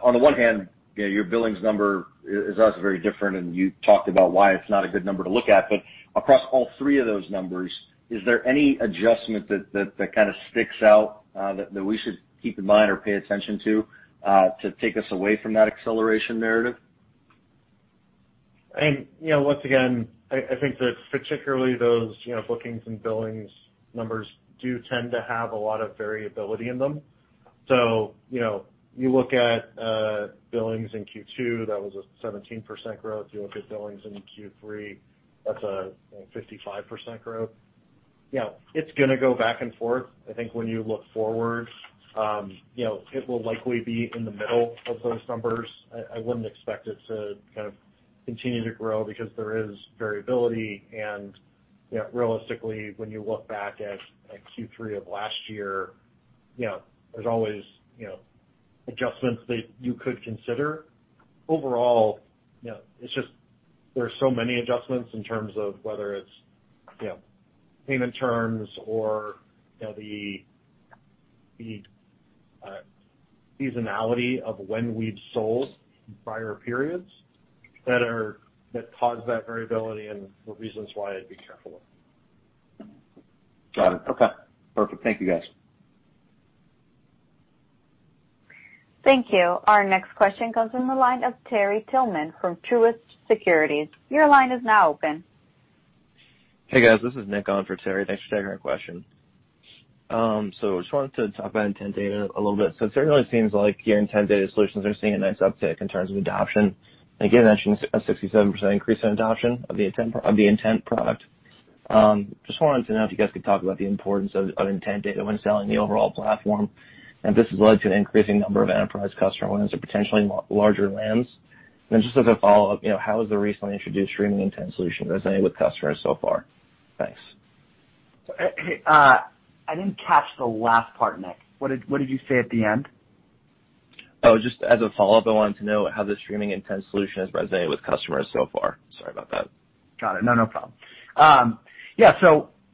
On the one hand, your billings number is also very different, and you talked about why it's not a good number to look at. Across all three of those numbers, is there any adjustment that sticks out that we should keep in mind or pay attention to take us away from that acceleration narrative? Once again, I think that particularly those bookings and billings numbers do tend to have a lot of variability in them. You look at billings in Q2, that was a 17% growth. You look at billings in Q3, that's a 55% growth. It's going to go back and forth. I think when you look forward, it will likely be in the middle of those numbers. I wouldn't expect it to continue to grow because there is variability, and realistically, when you look back at Q3 of last year, there's always adjustments that you could consider. Overall, there's so many adjustments in terms of whether it's payment terms or the seasonality of when we've sold in prior periods that cause that variability and the reasons why I'd be careful. Got it. Okay. Perfect. Thank you, guys. Thank you. Our next question comes from the line of Terry Tillman from Truist Securities. Your line is now open. Hey, guys. This is Nick on for Terry. Thanks for taking our question. Just wanted to talk about intent data a little bit. It certainly seems like your Intent data solutions are seeing a nice uptick in terms of adoption. Again, that shows a 67% increase in adoption of the Intent product. Just wanted to know if you guys could talk about the importance of intent data when selling the overall platform, and if this has led to an increasing number of enterprise customer wins or potentially larger wins. Just as a follow-up, how has the recently introduced streaming Intent solution resonated with customers so far? Thanks. I didn't catch the last part, Nick. What did you say at the end? Oh, just as a follow-up, I wanted to know how the streaming Intent solution has resonated with customers so far. Sorry about that. Got it. No problem.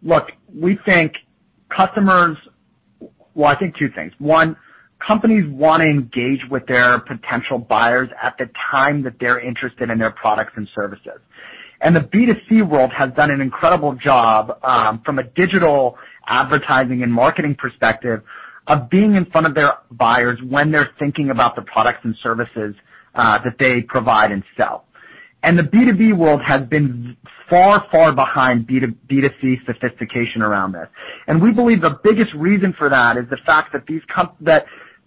Look, Well, I think two things. One, companies want to engage with their potential buyers at the time that they're interested in their products and services. The B2C world has done an incredible job from a digital advertising and marketing perspective of being in front of their buyers when they're thinking about the products and services that they provide and sell. The B2B world has been far behind B2C sophistication around this. We believe the biggest reason for that is the fact that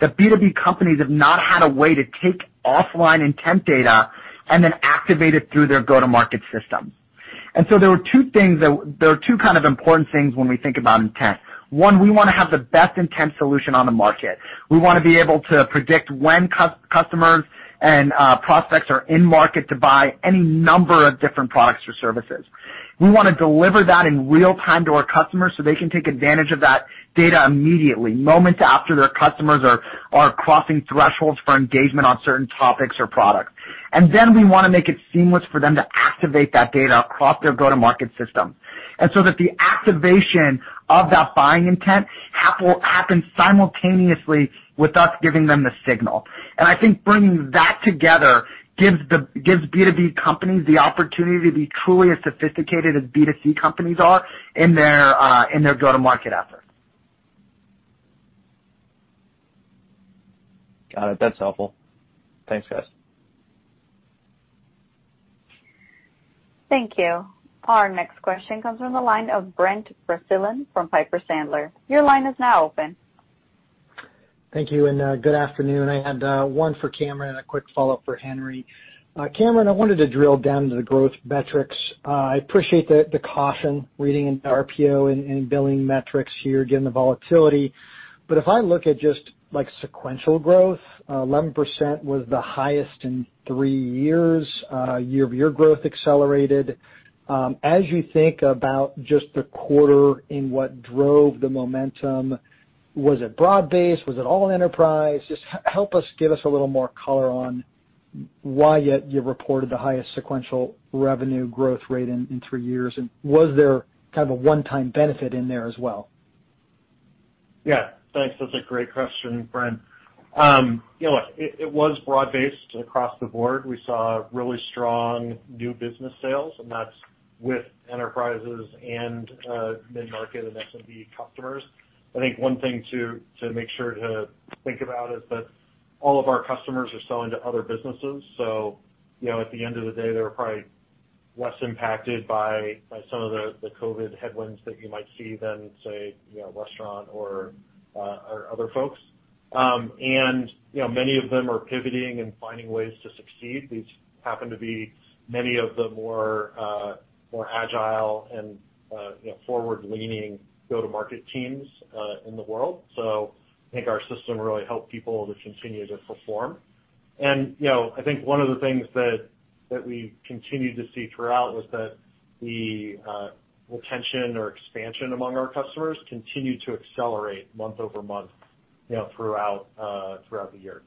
B2B companies have not had a way to take offline intent data and then activate it through their go-to-market system. There are two important things when we think about intent. One, we want to have the best intent solution on the market. We want to be able to predict when customers and prospects are in market to buy any number of different products or services. We want to deliver that in real time to our customers so they can take advantage of that data immediately, moments after their customers are crossing thresholds for engagement on certain topics or products. We want to make it seamless for them to activate that data across their go-to-market system, so that the activation of that buying intent happens simultaneously with us giving them the signal. I think bringing that together gives B2B companies the opportunity to be truly as sophisticated as B2C companies are in their go-to-market efforts. Got it. That's helpful. Thanks, guys. Thank you. Our next question comes from the line of Brent Bracelin from Piper Sandler. Your line is now open. Thank you, good afternoon. I had one for Cameron and a quick follow-up for Henry. Cameron, I wanted to drill down to the growth metrics. I appreciate the caution reading in RPO and billing metrics here, again, the volatility. If I look at just sequential growth, 11% was the highest in three years. Year-over-year growth accelerated. As you think about just the quarter and what drove the momentum, was it broad-based? Was it all enterprise? Just help us, give us a little more color on why yet you reported the highest sequential revenue growth rate in three years, and was there a one-time benefit in there as well? Yeah. Thanks. That's a great question, Brent. It was broad-based across the board. We saw really strong new business sales. That's with enterprises and mid-market and SMB customers. I think one thing to make sure to think about is that all of our customers are selling to other businesses, so at the end of the day, there are probably less impacted by some of the COVID headwinds that you might see than, say, restaurant or other folks. Many of them are pivoting and finding ways to succeed. These happen to be many of the more agile and forward-leaning go-to-market teams in the world. I think our system really helped people to continue to perform. I think one of the things that we continued to see throughout was that the retention or expansion among our customers continued to accelerate month-over-month throughout the year.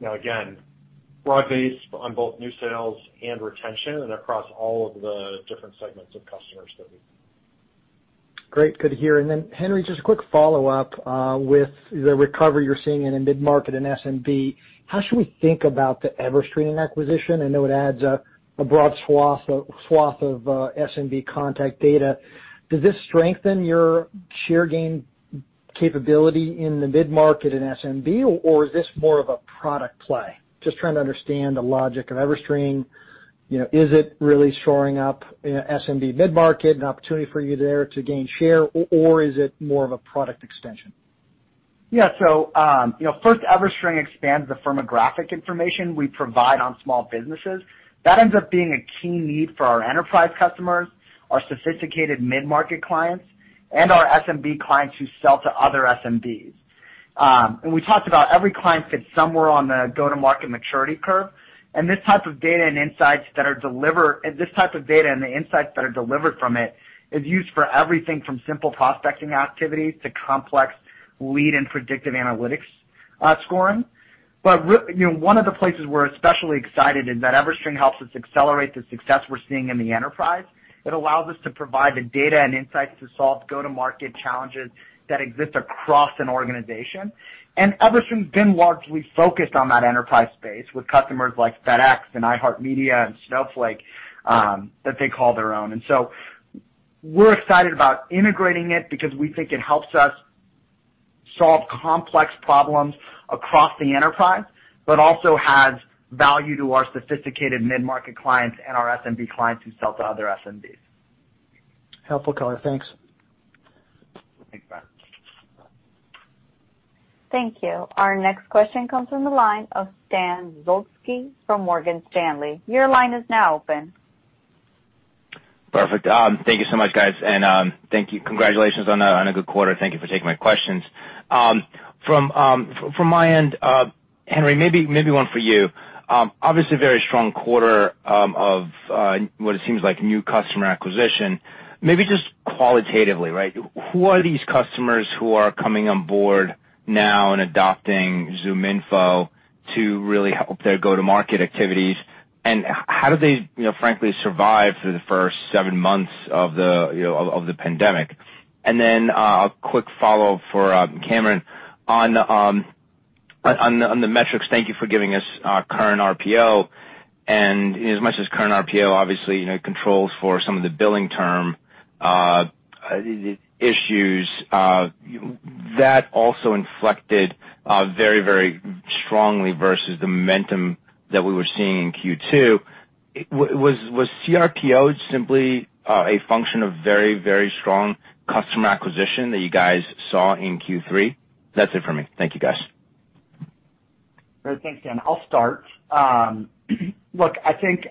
Again, broad-based on both new sales and retention and across all of the different segments of customers that we have. Great. Good to hear. Henry, just a quick follow-up. With the recovery you're seeing in the mid-market and SMB, how should we think about the EverString acquisition? I know it adds a broad swath of SMB contact data. Does this strengthen your share gain capability in the mid-market and SMB, or is this more of a product play? Just trying to understand the logic of EverString. Is it really shoring up SMB mid-market, an opportunity for you there to gain share, or is it more of a product extension? Yeah. First, EverString expands the firmographic information we provide on small businesses. That ends up being a key need for our enterprise customers, our sophisticated mid-market clients, and our SMB clients who sell to other SMBs. We talked about every client fits somewhere on the go-to-market maturity curve, and this type of data and the insights that are delivered from it is used for everything from simple prospecting activities to complex lead and predictive analytics scoring. One of the places we're especially excited is that EverString helps us accelerate the success we're seeing in the enterprise. It allows us to provide the data and insights to solve go-to-market challenges that exist across an organization. EverString's been largely focused on that enterprise space with customers like FedEx and iHeartMedia and Snowflake that they call their own. We're excited about integrating it because we think it helps us solve complex problems across the enterprise, but also has value to our sophisticated mid-market clients and our SMB clients who sell to other SMBs. Helpful color. Thanks. Thanks, Brent. Thank you. Our next question comes from the line of Stan Zlotsky from Morgan Stanley. Your line is now open. Perfect. Thank you so much, guys, and congratulations on a good quarter. Thank you for taking my questions. From my end, Henry, maybe one for you. Obviously, a very strong quarter of what it seems like new customer acquisition. Maybe just qualitatively, right, who are these customers who are coming on board now and adopting ZoomInfo to really help their go-to-market activities, and how do they frankly survive through the first seven months of the pandemic? Then a quick follow for Cameron on the metrics. Thank you for giving us current RPO. As much as current RPO obviously controls for some of the billing term issues, that also inflected very strongly versus the momentum that we were seeing in Q2. Was CRPO simply a function of very strong customer acquisition that you guys saw in Q3? That's it for me. Thank you, guys. Great. Thanks, Stan. I'll start. Look, I think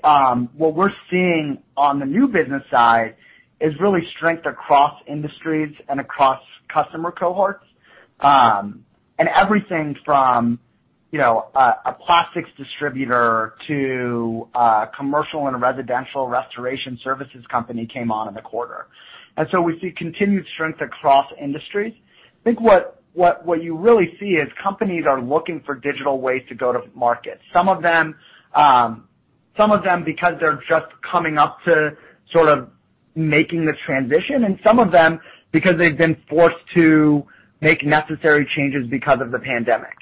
what we're seeing on the new business side is really strength across industries and across customer cohorts. Everything from a plastics distributor to a commercial and residential restoration services company came on in the quarter. We see continued strength across industries. I think what you really see is companies are looking for digital ways to go to market. Some of them because they're just coming up to sort of making the transition, and some of them because they've been forced to make necessary changes because of the pandemic.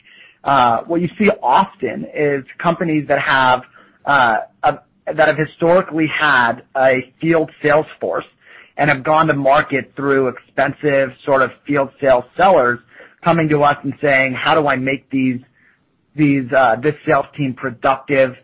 What you see often is companies that have historically had a field sales force and have gone to market through expensive field sales sellers coming to us and saying, "How do I make this sales team productive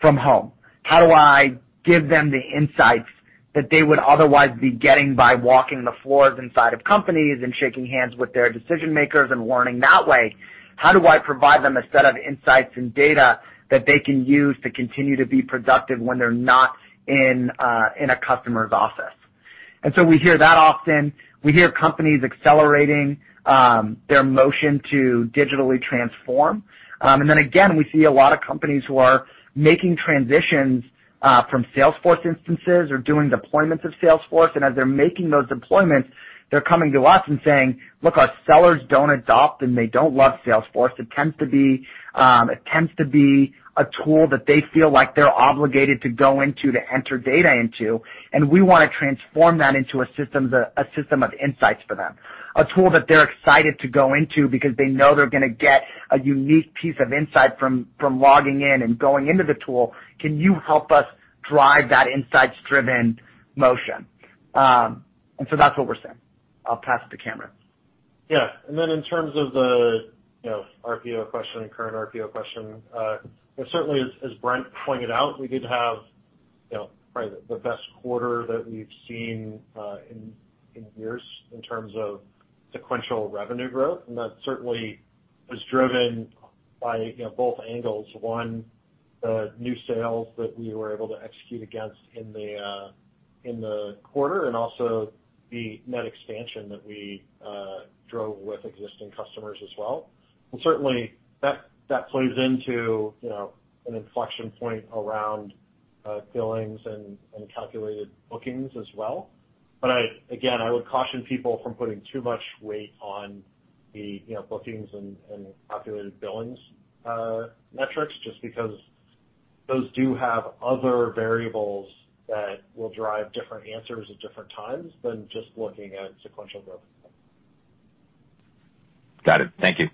from home? How do I give them the insights that they would otherwise be getting by walking the floors inside of companies and shaking hands with their decision-makers and learning that way? How do I provide them a set of insights and data that they can use to continue to be productive when they're not in a customer's office?" So we hear that often. Then again, we see a lot of companies who are making transitions from Salesforce instances or doing deployments of Salesforce. As they're making those deployments, they're coming to us and saying, "Look, our sellers don't adopt, and they don't love Salesforce. It tends to be a tool that they feel like they're obligated to go into to enter data into, we want to transform that into a system of insights for them, a tool that they're excited to go into because they know they're going to get a unique piece of insight from logging in and going into the tool. Can you help us drive that insights-driven motion? That's what we're seeing. I'll pass it to Cameron. Yeah. Then in terms of the RPO question, current RPO question, certainly as Brent pointed out, we did have probably the best quarter that we've seen in years in terms of sequential revenue growth. That certainly was driven by both angles. One, the new sales that we were able to execute against in the quarter, and also the net expansion that we drove with existing customers as well. Again, I would caution people from putting too much weight on the bookings and calculated billings metrics, just because those do have other variables that will drive different answers at different times than just looking at sequential growth. Got it. Thank you.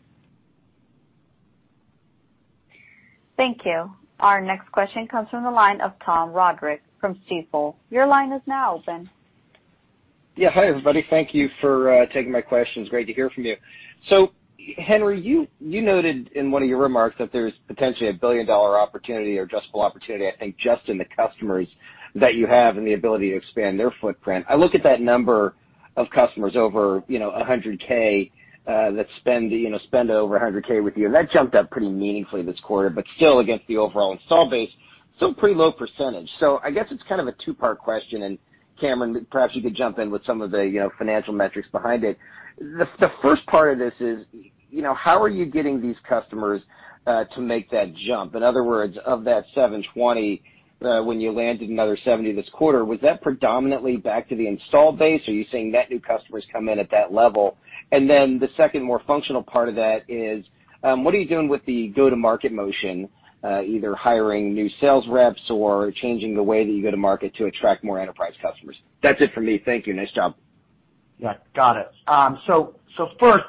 Thank you. Our next question comes from the line of Tom Roderick from Stifel. Your line is now open. Yeah. Hi, everybody. Thank you for taking my questions. Great to hear from you. Henry, you noted in one of your remarks that there's potentially a $1 billion opportunity or addressable opportunity, I think, just in the customers that you have and the ability to expand their footprint. I look at that number of customers over 100K that spend over 100K with you, and that jumped up pretty meaningfully this quarter. Still, against the overall install base, still pretty low percentage. I guess it's kind of a two-part question, and Cameron, perhaps you could jump in with some of the financial metrics behind it. The first part of this is, how are you getting these customers to make that jump? In other words, of that 720, when you landed another 70 this quarter, was that predominantly back to the installed base? Are you seeing net new customers come in at that level? The second more functional part of that is, what are you doing with the go-to-market motion, either hiring new sales reps or changing the way that you go to market to attract more enterprise customers? That's it for me. Thank you. Nice job. Yeah. Got it. First,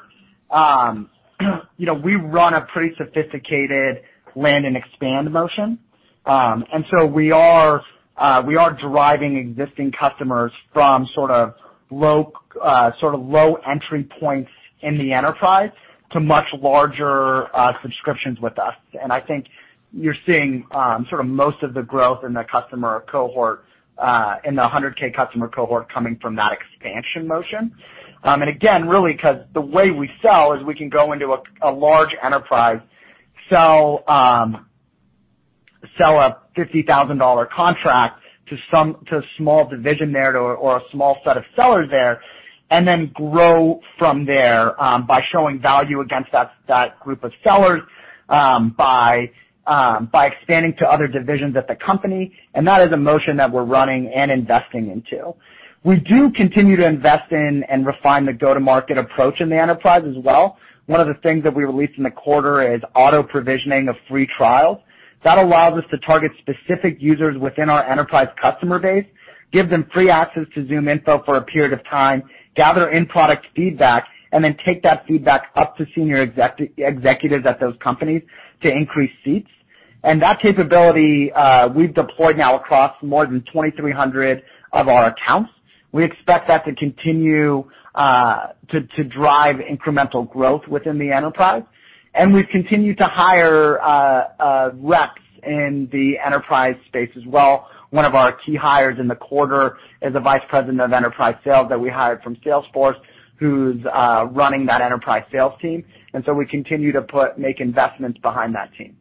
we run a pretty sophisticated land and expand motion. We are deriving existing customers from sort of low entry points in the enterprise to much larger subscriptions with us. I think you're seeing most of the growth in the 100K customer cohort coming from that expansion motion. Again, really because the way we sell is we can go into a large enterprise, sell a $50,000 contract to a small division there or a small set of sellers there, and then grow from there by showing value against that group of sellers by expanding to other divisions at the company. That is a motion that we're running and investing into. We do continue to invest in and refine the go-to-market approach in the enterprise as well. One of the things that we released in the quarter is auto-provisioning of free trials. That allows us to target specific users within our enterprise customer base, give them free access to ZoomInfo for a period of time, gather in-product feedback, then take that feedback up to senior executives at those companies to increase seats. That capability we've deployed now across more than 2,300 of our accounts. We expect that to continue to drive incremental growth within the enterprise. We've continued to hire reps in the enterprise space as well. One of our key hires in the quarter is a vice president of enterprise sales that we hired from Salesforce, who's running that enterprise sales team. We continue to make investments behind that team.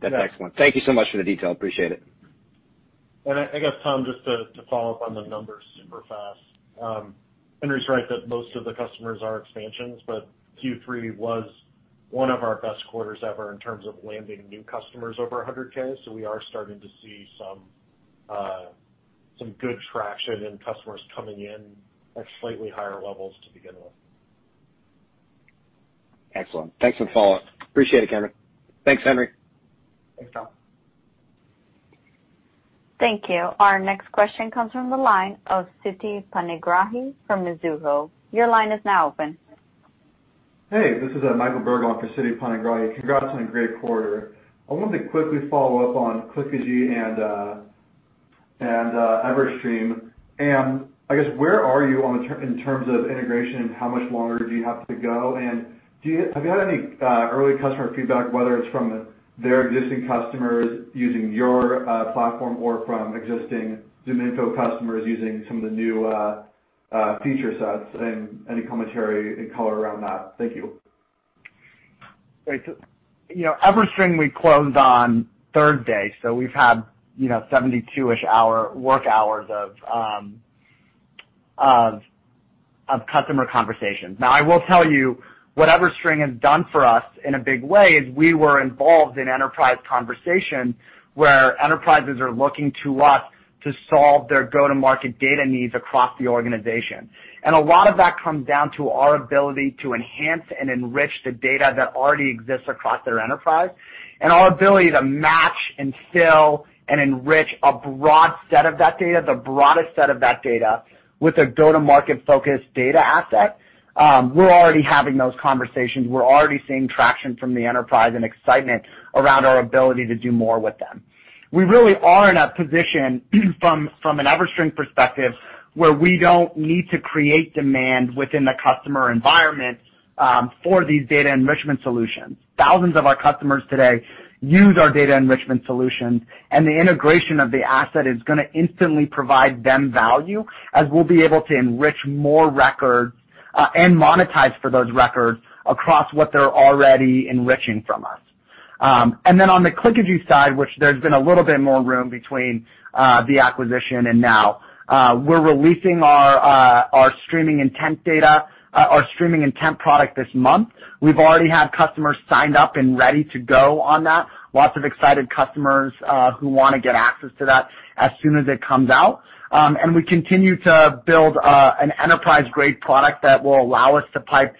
That's excellent. Thank you so much for the detail. Appreciate it. I guess, Tom, just to follow up on the numbers super fast. Henry's right that most of the customers are expansions. Q3 was one of our best quarters ever in terms of landing new customers over 100,000. We are starting to see some good traction in customers coming in at slightly higher levels to begin with. Excellent. Thanks for the follow-up. Appreciate it, Cameron. Thanks, Henry. Thanks, Tom. Thank you. Our next question comes from the line of Siti Panigrahi from Mizuho. Your line is now open. Hey, this is Michael Berg for Siti Panigrahi. Congrats on a great quarter. I wanted to quickly follow up on Clickagy and EverString. I guess where are you in terms of integration, and how much longer do you have to go? Have you had any early customer feedback, whether it's from their existing customers using your platform or from existing ZoomInfo customers using some of the new feature sets, and any commentary and color around that? Thank you. Great. EverString we closed on Thursday, so we've had 72-ish work hours of customer conversations. I will tell you what EverString has done for us in a big way is we were involved in enterprise conversation where enterprises are looking to us to solve their go-to-market data needs across the organization. A lot of that comes down to our ability to enhance and enrich the data that already exists across their enterprise, and our ability to match and fill and enrich a broad set of that data, the broadest set of that data, with a go-to-market focused data asset. We're already having those conversations. We're already seeing traction from the enterprise and excitement around our ability to do more with them. We really are in a position, from an EverString perspective, where we don't need to create demand within the customer environment for these data enrichment solutions. Thousands of our customers today use our data enrichment solutions. The integration of the asset is going to instantly provide them value as we'll be able to enrich more records and monetize for those records across what they're already enriching from us. On the Clickagy side, which there's been a little bit more room between the acquisition and now, we're releasing our streaming Intent data, our streaming Intent product this month. We've already had customers signed up and ready to go on that. Lots of excited customers who want to get access to that as soon as it comes out. We continue to build an enterprise-grade product that will allow us to pipe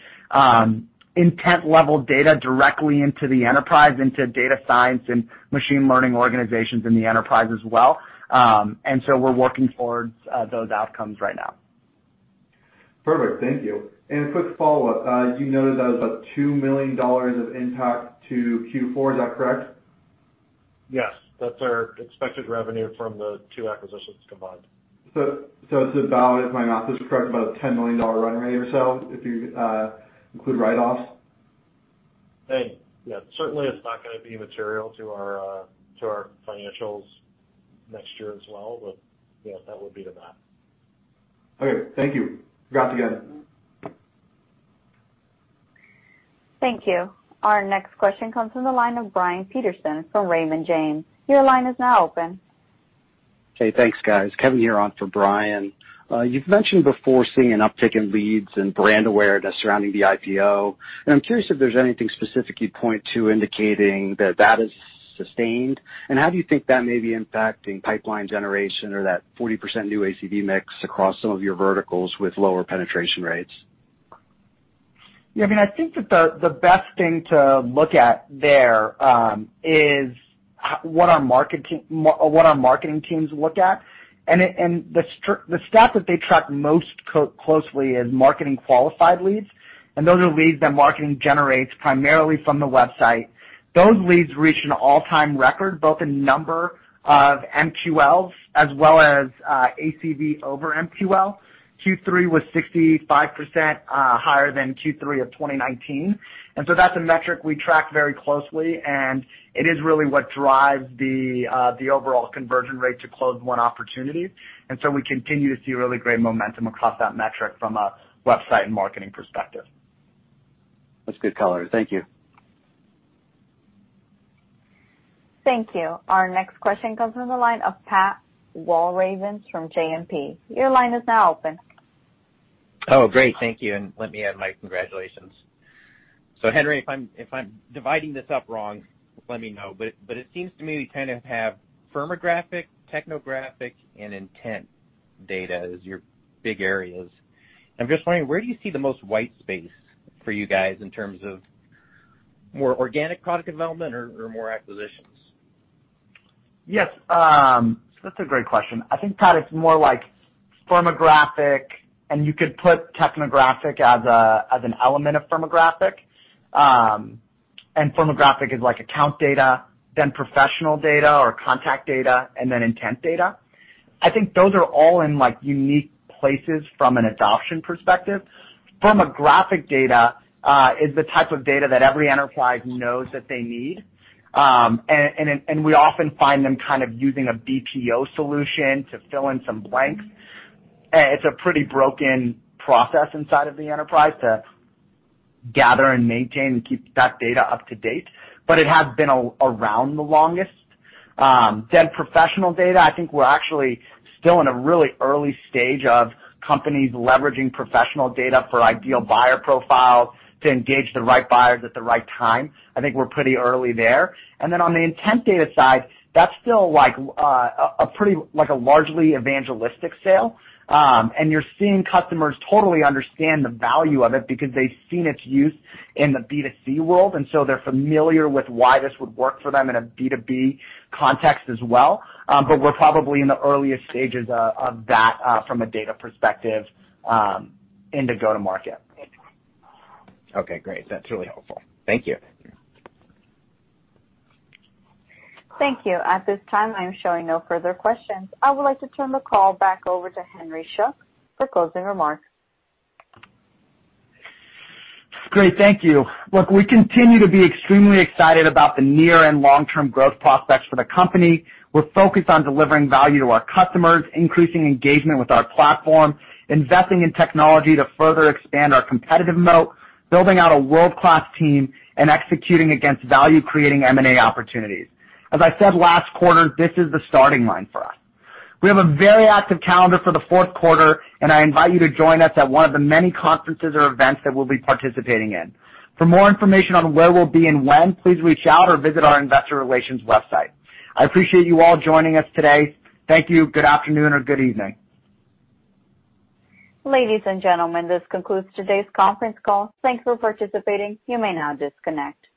Intent-level data directly into the enterprise, into data science and machine learning organizations in the enterprise as well. We're working towards those outcomes right now. Perfect. Thank you. A quick follow-up. You noted that was, like, $2 million of impact to Q4. Is that correct? Yes. That's our expected revenue from the two acquisitions combined. It's about, if my math is correct, about a $10 million run rate or so if you include write-offs? Certainly, it's not going to be material to our financials next year as well. Yes, that would be the math. Okay. Thank you. Congrats again. Thank you. Our next question comes from the line of Brian Peterson from Raymond James. Your line is now open. Hey, thanks guys. Kevin here on for Brian. You've mentioned before seeing an uptick in leads and brand awareness surrounding the IPO. I'm curious if there's anything specific you'd point to indicating that that is sustained, and how do you think that may be impacting pipeline generation or that 40% new ACV mix across some of your verticals with lower penetration rates? Yeah, I think that the best thing to look at there is what our marketing teams look at. The stat that they track most closely is marketing qualified leads, and those are leads that marketing generates primarily from the website. Those leads reach an all-time record, both in number of MQLs as well as ACV over MQL. Q3 was 65% higher than Q3 of 2019. That's a metric we track very closely, and it is really what drives the overall conversion rate to close won opportunities. We continue to see really great momentum across that metric from a website and marketing perspective. That's good color. Thank you. Thank you. Our next question comes from the line of Pat Walravens from JMP. Your line is now open. Oh, great. Thank you. Let me add my congratulations. Henry, if I'm dividing this up wrong, let me know. It seems to me we kind of have firmographic, technographic, and Intent data as your big areas. I'm just wondering, where do you see the most white space for you guys in terms of more organic product development or more acquisitions? Yes. That's a great question. I think, Pat, it's more like firmographic. You could put technographic as an element of firmographic. Firmographic is like account data, professional data or contact data, intent data. I think those are all in unique places from an adoption perspective. Firmographic data is the type of data that every enterprise knows that they need. We often find them kind of using a BPO solution to fill in some blanks. It's a pretty broken process inside of the enterprise to gather and maintain and keep that data up to date. It has been around the longest. Professional data, I think we're actually still in a really early stage of companies leveraging professional data for ideal buyer profiles to engage the right buyers at the right time. I think we're pretty early there. On the Intent data side, that's still a pretty largely evangelistic sale. You're seeing customers totally understand the value of it because they've seen its use in the B2C world, and so they're familiar with why this would work for them in a B2B context as well. We're probably in the earliest stages of that from a data perspective in the go-to-market. Okay, great. That's really helpful. Thank you. Thank you. At this time, I am showing no further questions. I would like to turn the call back over to Henry Schuck for closing remarks. Great. Thank you. Look, we continue to be extremely excited about the near and long-term growth prospects for the company. We're focused on delivering value to our customers, increasing engagement with our platform, investing in technology to further expand our competitive moat, building out a world-class team, and executing against value-creating M&A opportunities. As I said last quarter, this is the starting line for us. We have a very active calendar for the fourth quarter, and I invite you to join us at one of the many conferences or events that we'll be participating in. For more information on where we'll be and when, please reach out or visit our investor relations website. I appreciate you all joining us today. Thank you. Good afternoon or good evening. Ladies and gentlemen, this concludes today's conference call. Thanks for participating. You may now disconnect.